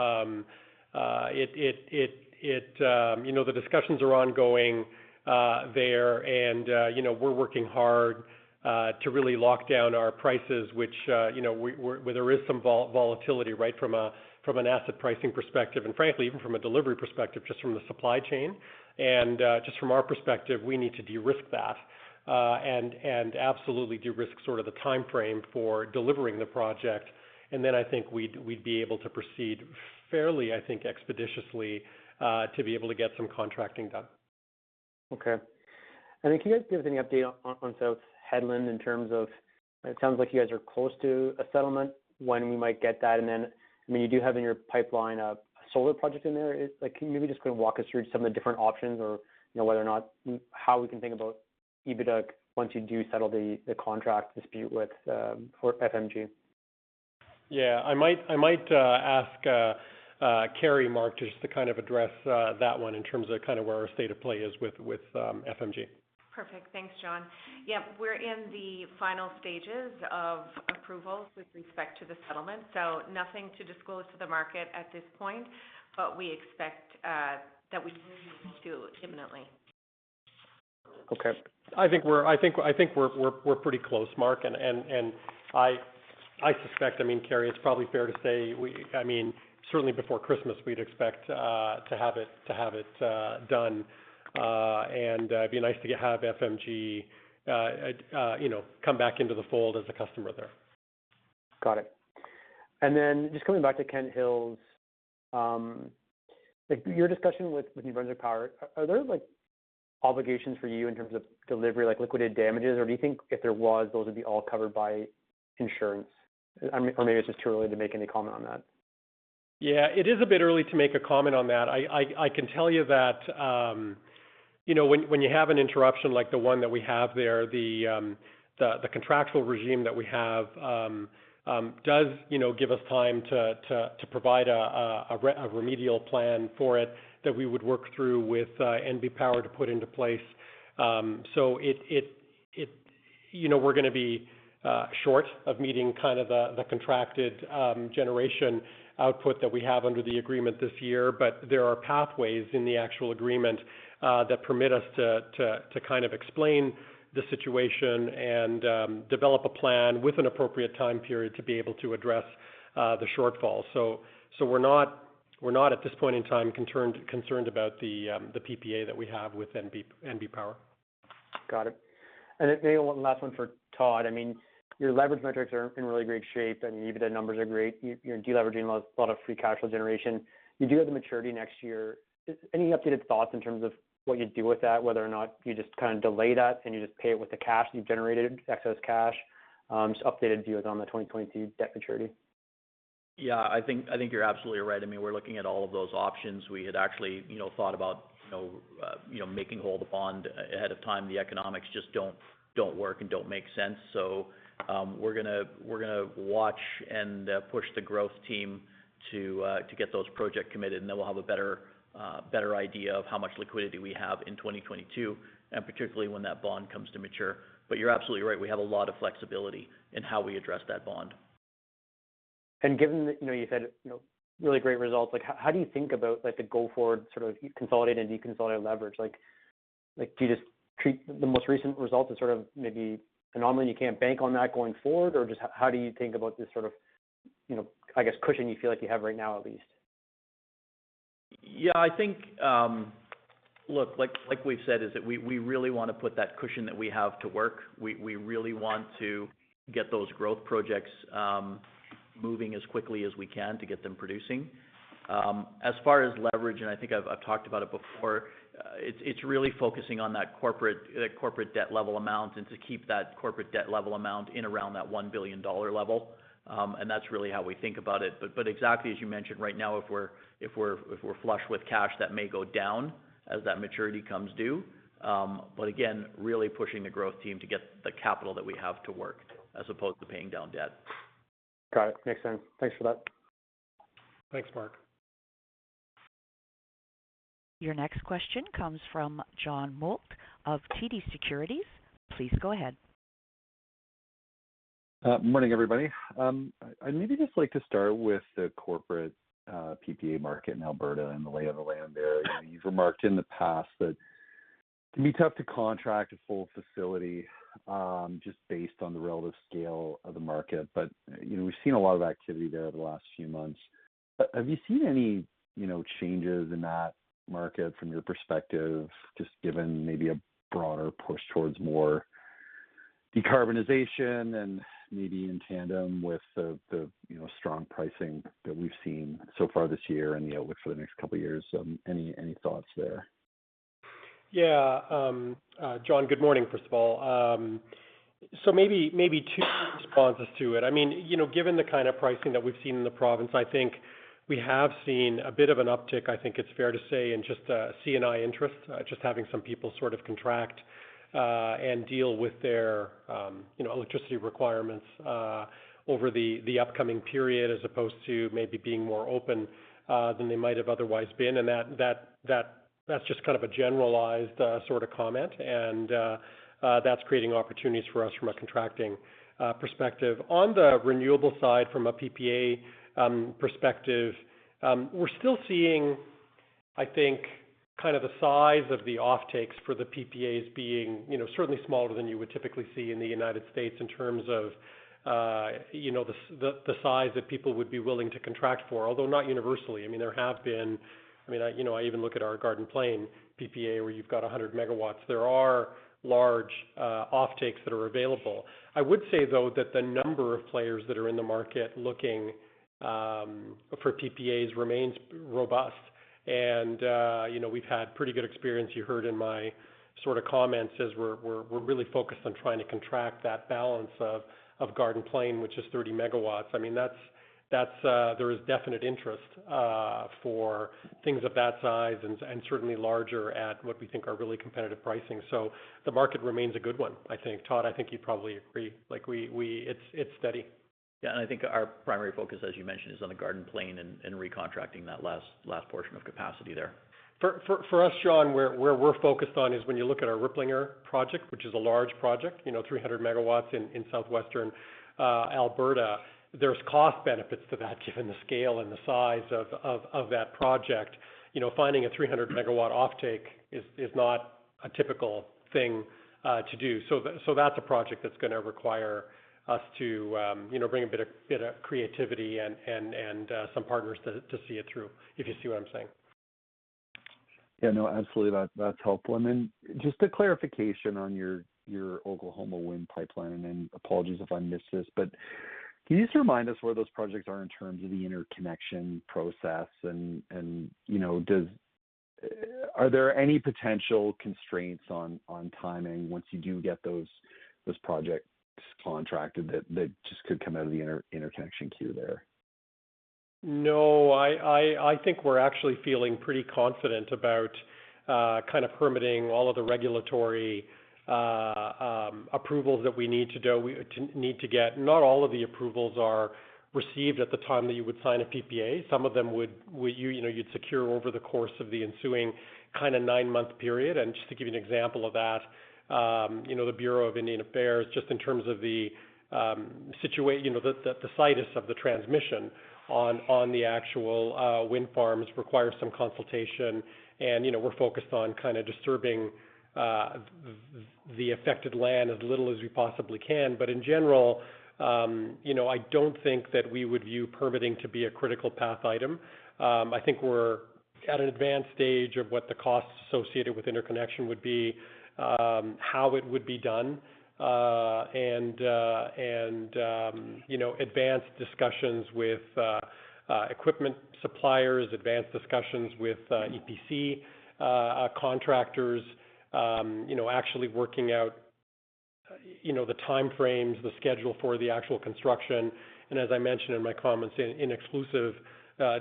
know, the discussions are ongoing there and you know, we're working hard to really lock down our prices, which you know, where there is some volatility, right, from an asset pricing perspective, and frankly, even from a delivery perspective, just from the supply chain. Just from our perspective, we need to de-risk that and absolutely de-risk sort of the timeframe for delivering the project. Then I think we'd be able to proceed fairly, I think, expeditiously to be able to get some contracting done. Okay. Can you guys give us any update on South Hedland? It sounds like you guys are close to a settlement. When might we get that? I mean, you do have in your pipeline a solar project in there. Like, can you maybe just kind of walk us through some of the different options or, whether or not how we can think about EBITDA once you do settle the contract dispute with FMG? Yeah, I might ask Kerry, Mark, just to kind of address that one in terms of kind of where our state of play is with FMG. Perfect. Thanks, John. Yeah. We're in the final stages of approvals with respect to the settlement, so nothing to disclose to the market at this point, but we expect that we do imminently. Okay. I think we're pretty close, Mark. I suspect, I mean, Kerry, it's probably fair to say we I mean certainly before Christmas, we'd expect to have it done. It'd be nice to have FMG you know come back into the fold as a customer there. Got it. Just coming back to Kent Hills, like your discussion with New Brunswick Power, are there like obligations for you in terms of delivery, like liquidated damages? Or do you think if there was, those would be all covered by insurance? Or maybe it's just too early to make any comment on that. Yeah. It is a bit early to make a comment on that. I can tell you that, you know, when you have an interruption like the one that we have there, the contractual regime that we have does, you know, give us time to provide a remedial plan for it that we would work through with NB Power to put into place. You know, we're gonna be short of meeting kind of the contracted generation output that we have under the agreement this year. There are pathways in the actual agreement that permit us to kind of explain the situation and develop a plan with an appropriate time period to be able to address the shortfall. We're not at this point in time concerned about the PPA that we have with NB Power. Got it. Then maybe one last one for Todd. I mean, your leverage metrics are in really great shape, and even the numbers are great. You're de-leveraging a lot of free cash flow generation. You do have the maturity next year. Any updated thoughts in terms of what you do with that, whether or not you just kind of delay that and you just pay it with the cash you've generated, excess cash? Just updated views on the 2022 debt maturity. Yeah. I think you're absolutely right. I mean, we're looking at all of those options. We had actually, you know, thought about, you know, making whole the bond ahead of time. The economics just don't work and don't make sense. We're gonna watch and push the growth team to get those projects committed, and then we'll have a better idea of how much liquidity we have in 2022, and particularly when that bond comes to mature. You're absolutely right. We have a lot of flexibility in how we address that bond. Given that, you've had, you know, really great results, like how do you think about like the go forward, sort of consolidated and deconsolidated leverage? Like do you just treat the most recent results as sort of maybe an anomaly and you can't bank on that going forward? Or just how do you think about this sort of, you know, I guess, cushion you feel like you have right now at least? Yeah. I think, look, like we've said, is that we really want to put that cushion that we have to work. We really want to get those growth projects moving as quickly as we can to get them producing. As far as leverage, and I think I've talked about it before, it's really focusing on that corporate debt level amount and to keep that corporate debt level amount in around that 1 billion dollar level. And that's really how we think about it. But exactly as you mentioned, right now if we're flush with cash, that may go down as that maturity comes due. Again, really pushing the growth team to get the capital that we have to work as opposed to paying down debt. Got it. Makes sense. Thanks for that. Thanks, Mark. Your next question comes from John Mould of TD Securities. Please go ahead. Morning, everybody. I'd maybe just like to start with the corporate PPA market in Alberta and the lay of the land there. You know, you've remarked in the past that it can be tough to contract a full facility just based on the relative scale of the market. You know, we've seen a lot of activity there the last few months. Have you seen any you know, changes in that market from your perspective, just given maybe a broader push towards more decarbonization and maybe in tandem with the you know, strong pricing that we've seen so far this year and the outlook for the next couple of years? Any thoughts there? Yeah. John, good morning, first of all. Maybe two responses to it. I mean, you know, given the kind of pricing that we've seen in the province, I think we have seen a bit of an uptick, I think it's fair to say, in just C&I interest, just having some people sort of contract and deal with their, you know, electricity requirements over the upcoming period, as opposed to maybe being more open than they might have otherwise been. That's just kind of a generalized sort of comment that's creating opportunities for us from a contracting perspective. On the renewable side from a PPA perspective, we're still seeing, I think, kind of the size of the offtakes for the PPAs being, you know, certainly smaller than you would typically see in the United States in terms of, you know, the size that people would be willing to contract for. Although not universally. I mean, you know, I even look at our Garden Plain PPA, where you've got 100 megawatt. There are large offtakes that are available. I would say, though, that the number of players that are in the market looking for PPAs remains robust. You know, we've had pretty good experience. You heard in my sort of comments as we're really focused on trying to contract that balance of Garden Plain, which is 30 megawatt. I mean, that's. There is definite interest for things of that size and certainly larger at what we think are really competitive pricing. So the market remains a good one, I think. Todd, I think you'd probably agree. Like, it's steady. Yeah. I think our primary focus, as you mentioned, is on the Garden Plain and recontracting that last portion of capacity there. For us, John, where we're focused on is when you look at our Riplinger project, which is a large project, you know, 300 megawatt in southwestern Alberta, there's cost benefits to that given the scale and the size of that project. finding a 300 megawatt offtake is not a typical thing to do. That's a project that's gonna require us to, bring a bit of creativity and some partners to see it through, if you see what I'm saying. Yeah, no, absolutely. That's helpful. Just a clarification on your Oklahoma wind pipeline, and apologies if I missed this, but can you just remind us where those projects are in terms of the interconnection process? You know, are there any potential constraints on timing once you do get those projects contracted that just could come out of the interconnection queue there? No, I think we're actually feeling pretty confident about kind of permitting all of the regulatory approvals that we need to get. Not all of the approvals are received at the time that you would sign a PPA. Some of them would, you know, you'd secure over the course of the ensuing kind of nine-month period. Just to give you an example of that, you know, the Bureau of Indian Affairs, just in terms of the you know, the situs of the transmission on the actual wind farms requires some consultation. You know, we're focused on kind of disturbing the affected land as little as we possibly can. In general, you know, I don't think that we would view permitting to be a critical path item. I think we're at an advanced stage of what the costs associated with interconnection would be, how it would be done, and you know, advanced discussions with equipment suppliers, advanced discussions with EPC contractors, you know, actually working out, you know, the time frames, the schedule for the actual construction. As I mentioned in my comments in exclusive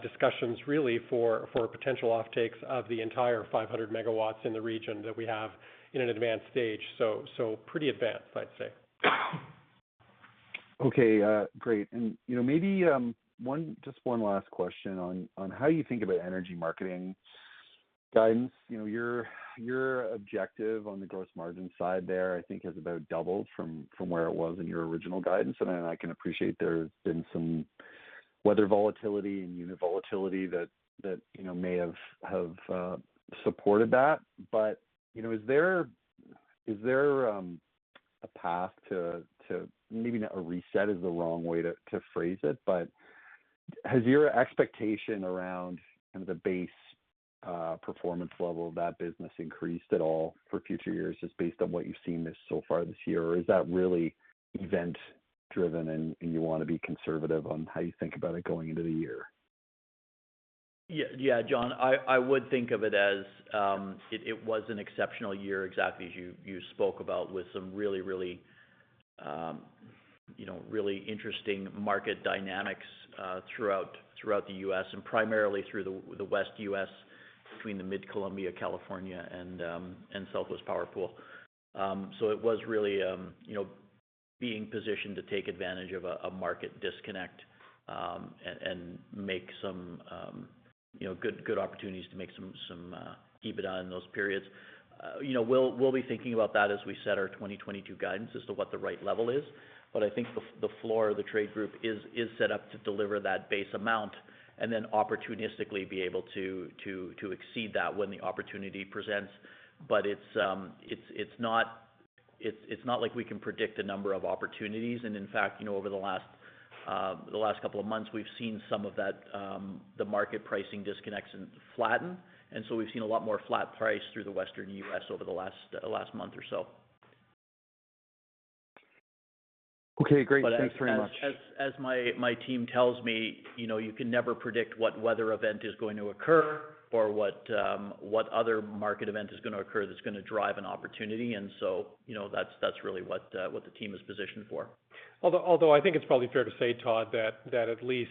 discussions really for potential offtakes of the entire 500 megawatt in the region that we have in an advanced stage. Pretty advanced, I'd say. Okay. Great. You know, maybe just one last question on how you think about Energy Marketing guidance. You know, your objective on the gross margin side there, I think, has about doubled from where it was in your original guidance. I can appreciate there's been some weather volatility and unit volatility that you know may have supported that. But you know is there a path to maybe a reset. A reset is the wrong way to phrase it. Has your expectation around kind of the base performance level of that business increased at all for future years just based on what you've seen so far this year? Or is that really event-driven and you want to be conservative on how you think about it going into the year? Yeah, John, I would think of it as it was an exceptional year, exactly as you spoke about with some really, you know, really interesting market dynamics throughout the U.S. and primarily through the West U.S. between the Mid-Columbia, California, and Southwest Power Pool. So it was really, you know, being positioned to take advantage of a market disconnect and make some, you know, good opportunities to make some EBITDA in those periods. You know, we'll be thinking about that as we set our 2022 guidance as to what the right level is. I think the floor of the trade group is set up to deliver that base amount and then opportunistically be able to exceed that when the opportunity presents. It's not like we can predict the number of opportunities. In fact, you know, over the last couple of months, we've seen some of that, the market pricing disconnects flatten. We've seen a lot more flat price through the Western U.S. over the last month or so. Okay, great. Thanks very much. As my team tells me, you know, you can never predict what weather event is going to occur or what other market event is gonna occur that's gonna drive an opportunity. You know, that's really what the team is positioned for. Although I think it's probably fair to say, Todd, that at least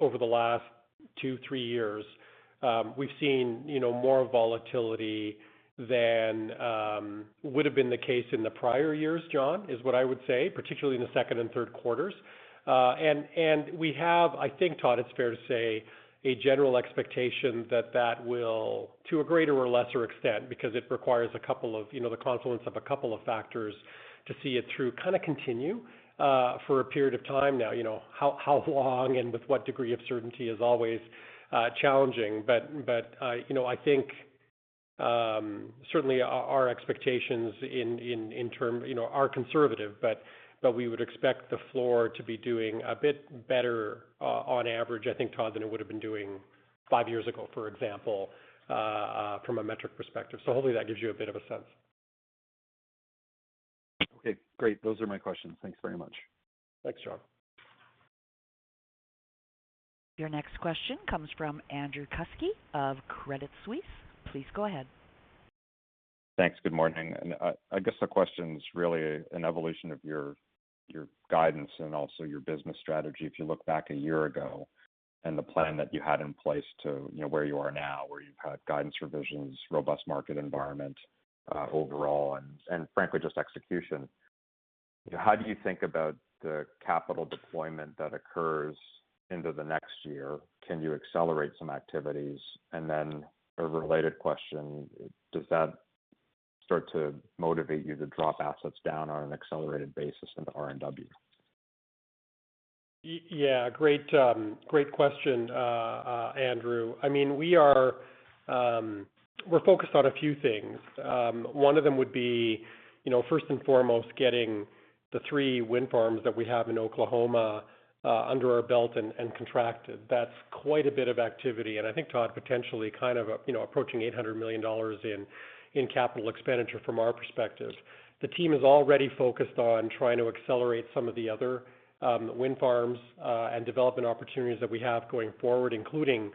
over the last two, three years, we've seen, you know, more volatility than would have been the case in the prior years, John, is what I would say, particularly in the second and third quarters. And we have, I think, Todd, it's fair to say a general expectation that that will, to a greater or lesser extent, because it requires a couple of, you know, the confluence of a couple of factors to see it through, kind of continue for a period of time now. You know, how long and with what degree of certainty is always challenging. I think certainly our expectations in terms you know are conservative, but we would expect the floor to be doing a bit better on average, I think, Todd, than it would have been doing five years ago, for example, from a metric perspective. Hopefully that gives you a bit of a sense. Okay, great. Those are my questions. Thanks very much. Thanks, John. Your next question comes from Andrew Kuske of Credit Suisse. Please go ahead. Thanks. Good morning. I guess the question is really an evolution of your guidance and also your business strategy. If you look back a year ago and the plan that you had in place to, you know, where you are now, where you've had guidance revisions, robust market environment, overall, and frankly, just execution. How do you think about the capital deployment that occurs into the next year? Can you accelerate some activities? And then a related question, does that start to motivate you to drop assets down on an accelerated basis into RNW? Yeah. Great question, Andrew. I mean, we are, we're focused on a few things. One of them would be, you know, first and foremost, getting the three wind farms that we have in Oklahoma under our belt and contracted. That's quite a bit of activity, and I think, Todd, potentially kind of, you know, approaching $800 million in capital expenditure from our perspective. The team is already focused on trying to accelerate some of the other wind farms and development opportunities that we have going forward, including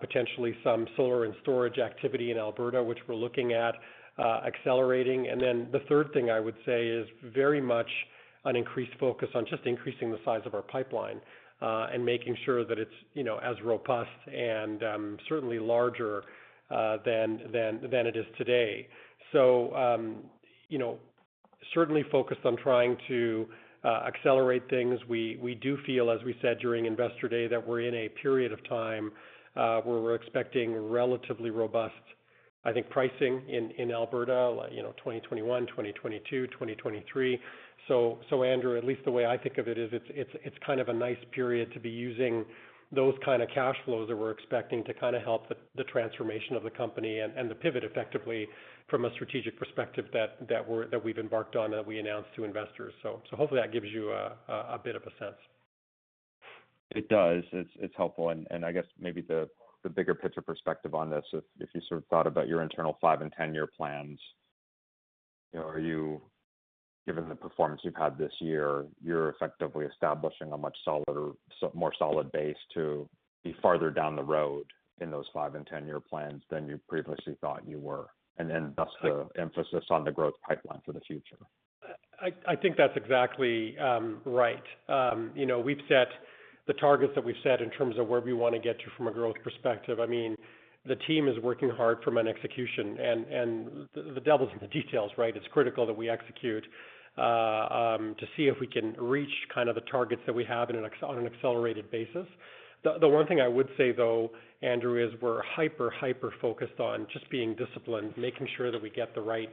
potentially some solar and storage activity in Alberta, which we're looking at accelerating. The third thing I would say is very much an increased focus on just increasing the size of our pipeline, and making sure that it's, you know, as robust and certainly larger than it is today. You know, certainly focused on trying to accelerate things. We do feel, as we said during Investor Day, that we're in a period of time where we're expecting relatively robust, I think pricing in Alberta, you know, 2021, 2022, 2023. Andrew, at least the way I think of it is it's kind of a nice period to be using those kind of cash flows that we're expecting to help the transformation of the company and the pivot effectively from a strategic perspective that we've embarked on, that we announced to investors. Hopefully that gives you a bit of a sense. It does. It's helpful. I guess maybe the bigger picture perspective on this, if you sort of thought about your internal five- and 10-year plans, given the performance you've had this year, you're effectively establishing a much more solid base to be farther down the road in those five- and 10-year plans than you previously thought you were, and then thus the emphasis on the growth pipeline for the future. I think that's exactly right. We've set the targets that we've set in terms of where we want to get to from a growth perspective. I mean, the team is working hard from an execution, and the devil is in the details, right? It's critical that we execute to see if we can reach kind of the targets that we have on an accelerated basis. The one thing I would say, though, Andrew, is we're hyper-focused on just being disciplined, making sure that we get the right,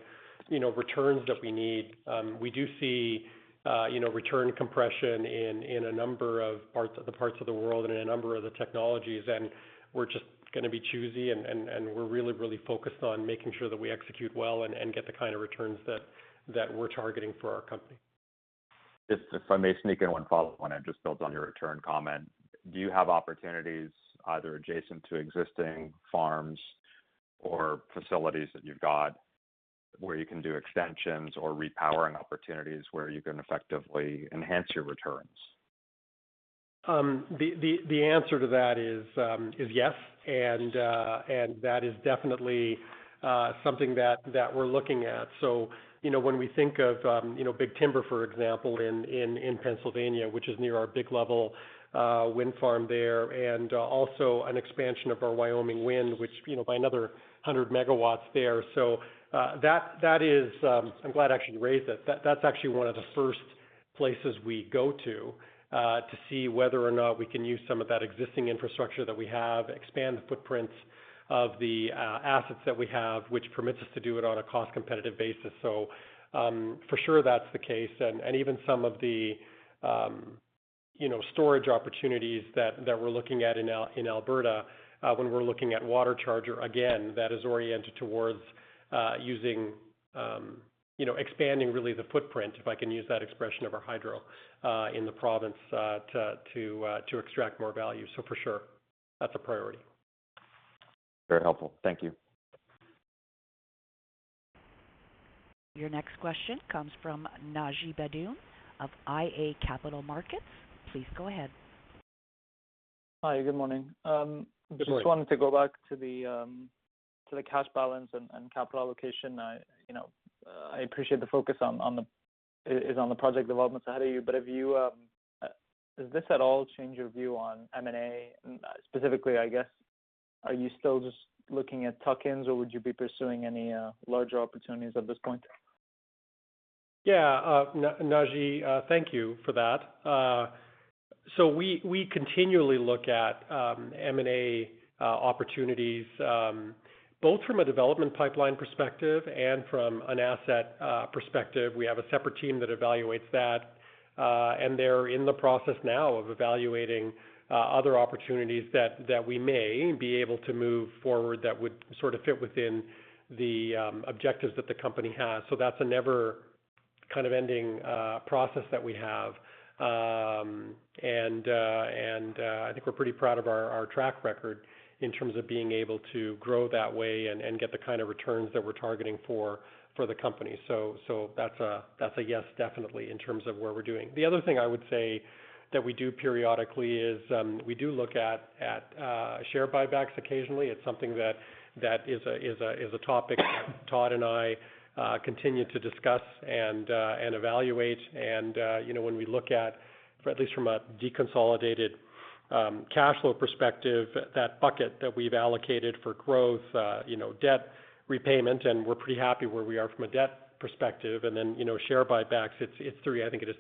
returns that we need. We do see, you know, return compression in a number of parts of the world and in a number of the technologies, and we're just gonna be choosy, and we're really focused on making sure that we execute well and get the kind of returns that we're targeting for our company. If I may sneak in one follow-on, it just builds on your return comment. Do you have opportunities either adjacent to existing farms or facilities that you've got where you can do extensions or repowering opportunities where you can effectively enhance your returns? The answer to that is yes. That is definitely something that we're looking at. You know, when we think of big timber, for example, in Pennsylvania, which is near our Big Level wind farm there, and also an expansion of our Wyoming wind, which, you know, by another 100 megawatt there. That is. I'm glad you actually raised it. That's actually one of the first places we go to to see whether or not we can use some of that existing infrastructure that we have, expand the footprints of the assets that we have, which permits us to do it on a cost-competitive basis. For sure, that's the case. Even some of the, storage opportunities that we're looking at in Alberta, when we're looking at WaterCharger, again, that is oriented towards using, you know, expanding really the footprint, if I can use that expression, of our hydro in the province to extract more value. For sure, that's a priority. Very helpful. Thank you. Your next question comes from Naji Baydoun of iA Capital Markets. Please go ahead. Hi. Good morning. Good morning. Just wanted to go back to the cash balance and capital allocation. I appreciate the focus on the project developments ahead of you. Does this at all change your view on M&A? Specifically, I guess, are you still just looking at tuck-ins, or would you be pursuing any larger opportunities at this point? Yeah, Naji, thank you for that. We continually look at M&A opportunities both from a development pipeline perspective and from an asset perspective. We have a separate team that evaluates that, and they're in the process now of evaluating other opportunities that we may be able to move forward that would sort of fit within the objectives that the company has. That's a never-ending process that we have. I think we're pretty proud of our track record in terms of being able to grow that way and get the kind of returns that we're targeting for the company. That's a yes, definitely, in terms of where we're going. The other thing I would say that we do periodically is we do look at share buybacks occasionally. It's something that is a topic Todd and I continue to discuss and evaluate. You know, when we look at least from a deconsolidated cash flow perspective, that bucket that we've allocated for growth, you know, debt repayment, and we're pretty happy where we are from a debt perspective. Then, you know, share buybacks, it's 30%-50%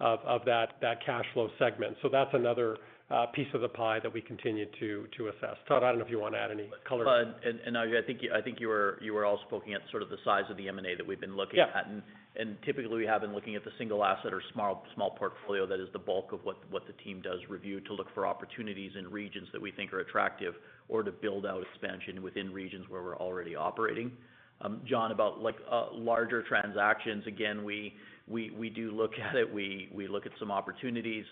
of that cash flow segment. That's another piece of the pie that we continue to assess. Todd, I don't know if you want to add any color. Bud. Naji, I think you were also looking at sort of the size of the M&A that we've been looking at. Yeah. Typically, we have been looking at the single asset or small portfolio. That is the bulk of what the team does review to look for opportunities in regions that we think are attractive or to build out expansion within regions where we're already operating. John, about like larger transactions, again, we do look at it. We look at some opportunities.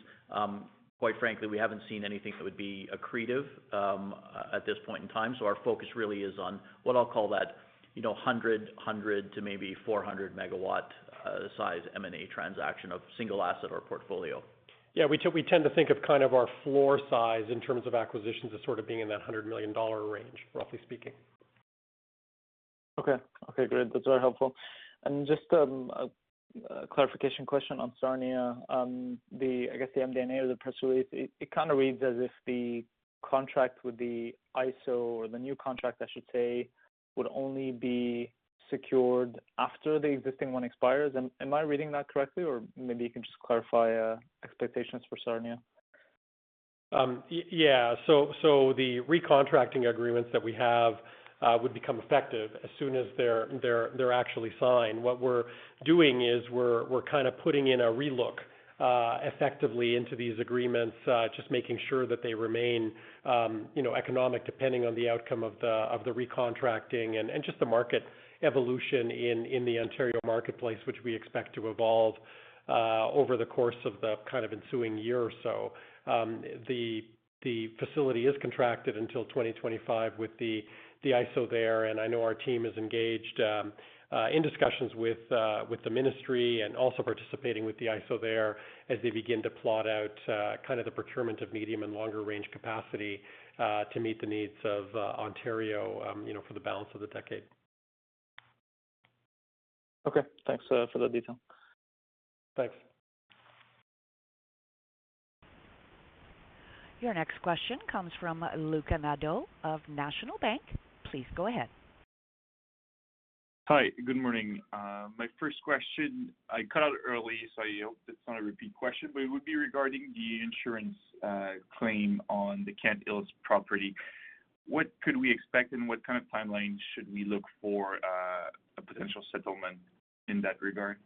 Quite frankly, we haven't seen anything that would be accretive at this point in time. Our focus really is on what I'll call that, you know, 100 megawatt to 400 megawatt size M&A transaction of single asset or portfolio. Yeah, we tend to think of kind of our floor size in terms of acquisitions as sort of being in that 100 million dollar range, roughly speaking. Okay. Okay, great. That's very helpful. Just a clarification question on Sarnia. I guess, the MD&A of the press release, it kind of reads as if the contract with the ISO or the new contract, I should say, would only be secured after the existing one expires. Am I reading that correctly? Maybe you can just clarify expectations for Sarnia. Yeah. The recontracting agreements that we have would become effective as soon as they're actually signed. What we're doing is we're kind of putting in a relook effectively into these agreements just making sure that they remain, you know, economic depending on the outcome of the recontracting and just the market evolution in the Ontario marketplace, which we expect to evolve over the course of the kind of ensuing year or so. The facility is contracted until 2025 with the ISO there, and I know our team is engaged in discussions with the ministry and also participating with the ISO there as they begin to plot out kind of the procurement of medium and longer range capacity to meet the needs of Ontario, for the balance of the decade. Okay. Thanks for the detail. Thanks. Your next question comes from Luca Nadeau of National Bank. Please go ahead. Hi. Good morning. My first question. I cut out early, so I hope it's not a repeat question, but it would be regarding the insurance claim on the Kent Hills property. What could we expect, and what kind of timeline should we look for, a potential settlement in that regard?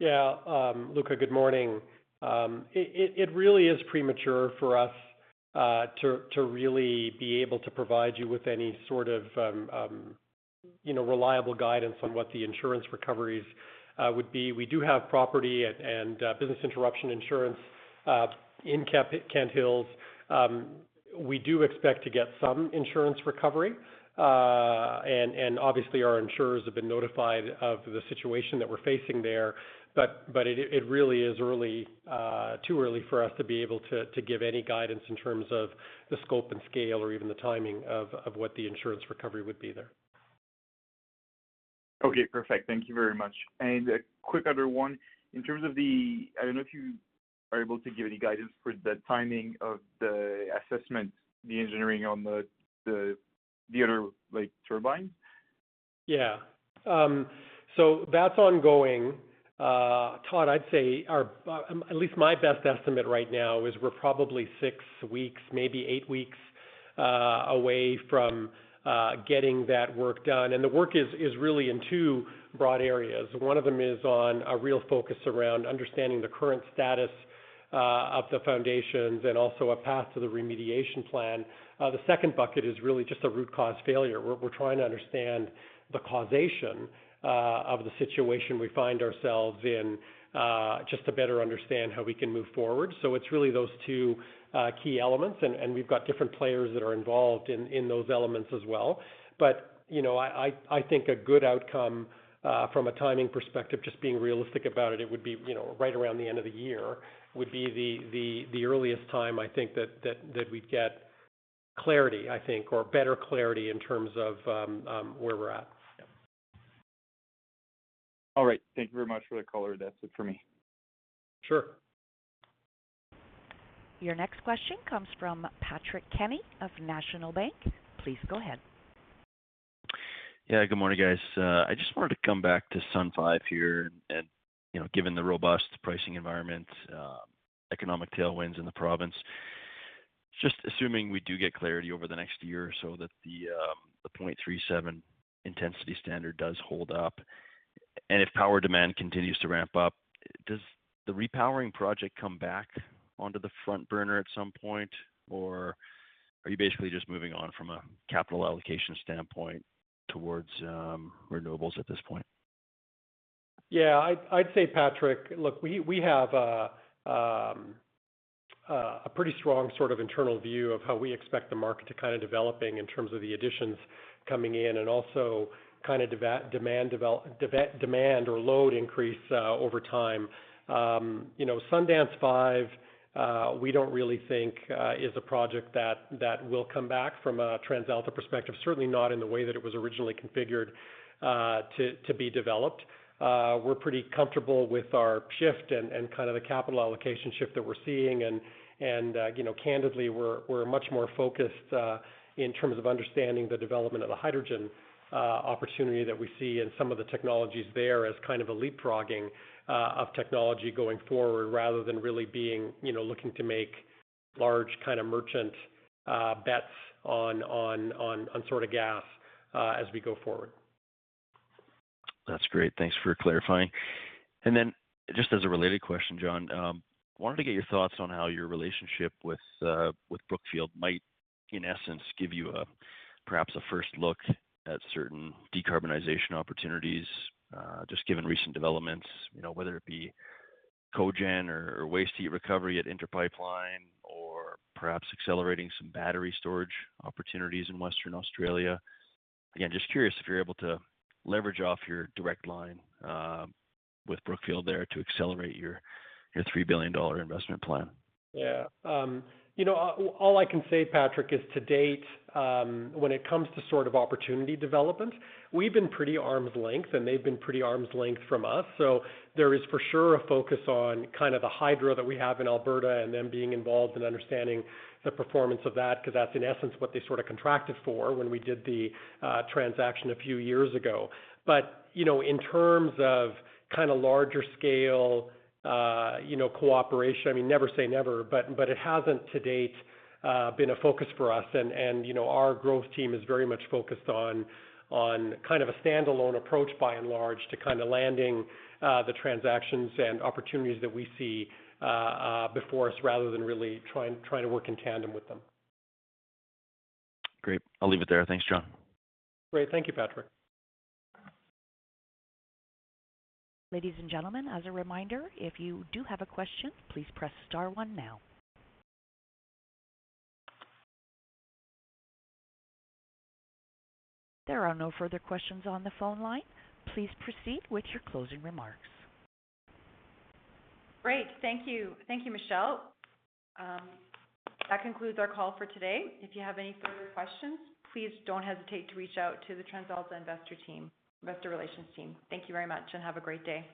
Luca, good morning. It really is premature for us to really be able to provide you with any sort of, you know, reliable guidance on what the insurance recoveries would be. We do have property and business interruption insurance in Kent Hills. We do expect to get some insurance recovery. Obviously our insurers have been notified of the situation that we're facing there. It really is too early for us to be able to give any guidance in terms of the scope and scale or even the timing of what the insurance recovery would be there. Okay, perfect. Thank you very much. A quick other one. In terms of the, I don't know if you are able to give any guidance for the timing of the assessment, the engineering on the other, like, turbine? Yeah. That's ongoing. Todd, I'd say our at least my best estimate right now is we're probably six weeks, maybe eight weeks, away from getting that work done. The work is really in two broad areas. One of them is on a real focus around understanding the current status of the foundations and also a path to the remediation plan. The second bucket is really just a root cause failure. We're trying to understand the causation of the situation we find ourselves in just to better understand how we can move forward. It's really those two key elements. We've got different players that are involved in those elements as well. You know, I think a good outcome from a timing perspective, just being realistic about it would be, you know, right around the end of the year would be the earliest time I think that we'd get clarity, I think, or better clarity in terms of where we're at. Yeah. All right. Thank you very much for the color. That's it for me. Sure. Your next question comes from Patrick Kenny of National Bank. Please go ahead. Yeah, good morning, guys. I just wanted to come back to Sundance 5 here and, you know, given the robust pricing environment, economic tailwinds in the province. Just assuming we do get clarity over the next year or so that the 0.37 intensity standard does hold up, and if power demand continues to ramp up, does the repowering project come back onto the front burner at some point? Or are you basically just moving on from a capital allocation standpoint towards renewables at this point? Yeah. I'd say, Patrick, look, we have a pretty strong sort of internal view of how we expect the market to kind of developing in terms of the additions coming in and also kind of demand or load increase over time. You know, Sundance 5, we don't really think is a project that will come back from a TransAlta perspective, certainly not in the way that it was originally configured to be developed. We're pretty comfortable with our shift and kind of the capital allocation shift that we're seeing. You know, candidly, we're much more focused in terms of understanding the development of the hydrogen opportunity that we see in some of the technologies there as kind of a leapfrogging of technology going forward rather than really being, you know, looking to make large kind of merchant bets on sort of gas as we go forward. That's great. Thanks for clarifying. Just as a related question, John, wanted to get your thoughts on how your relationship with Brookfield might, in essence, give you a perhaps first look at certain decarbonization opportunities, just given recent developments, whether it be cogen or waste heat recovery at Inter Pipeline or perhaps accelerating some battery storage opportunities in Western Australia. Again, just curious if you're able to leverage off your direct line with Brookfield there to accelerate your 3 billion dollar investment plan. Yeah. All I can say, Patrick, is to date, when it comes to sort of opportunity development, we've been pretty arm's length, and they've been pretty arm's length from us. There is for sure a focus on kind of the hydro that we have in Alberta and them being involved in understanding the performance of that, because that's in essence what they sort of contracted for when we did the transaction a few years ago. You know, in terms of kind of larger scale, you know, cooperation, I mean, never say never, but it hasn't to date been a focus for us. Our growth team is very much focused on kind of a standalone approach by and large to kind of landing the transactions and opportunities that we see before us rather than really trying to work in tandem with them. Great. I'll leave it there. Thanks, John. Great. Thank you, Patrick. Ladies and gentlemen, as a reminder, if you do have a question, please press star one now. There are no further questions on the phone line. Please proceed with your closing remarks. Great. Thank you. Thank you, Michelle. That concludes our call for today. If you have any further questions, please don't hesitate to reach out to the TransAlta investor team, investor relations team. Thank you very much and have a great day.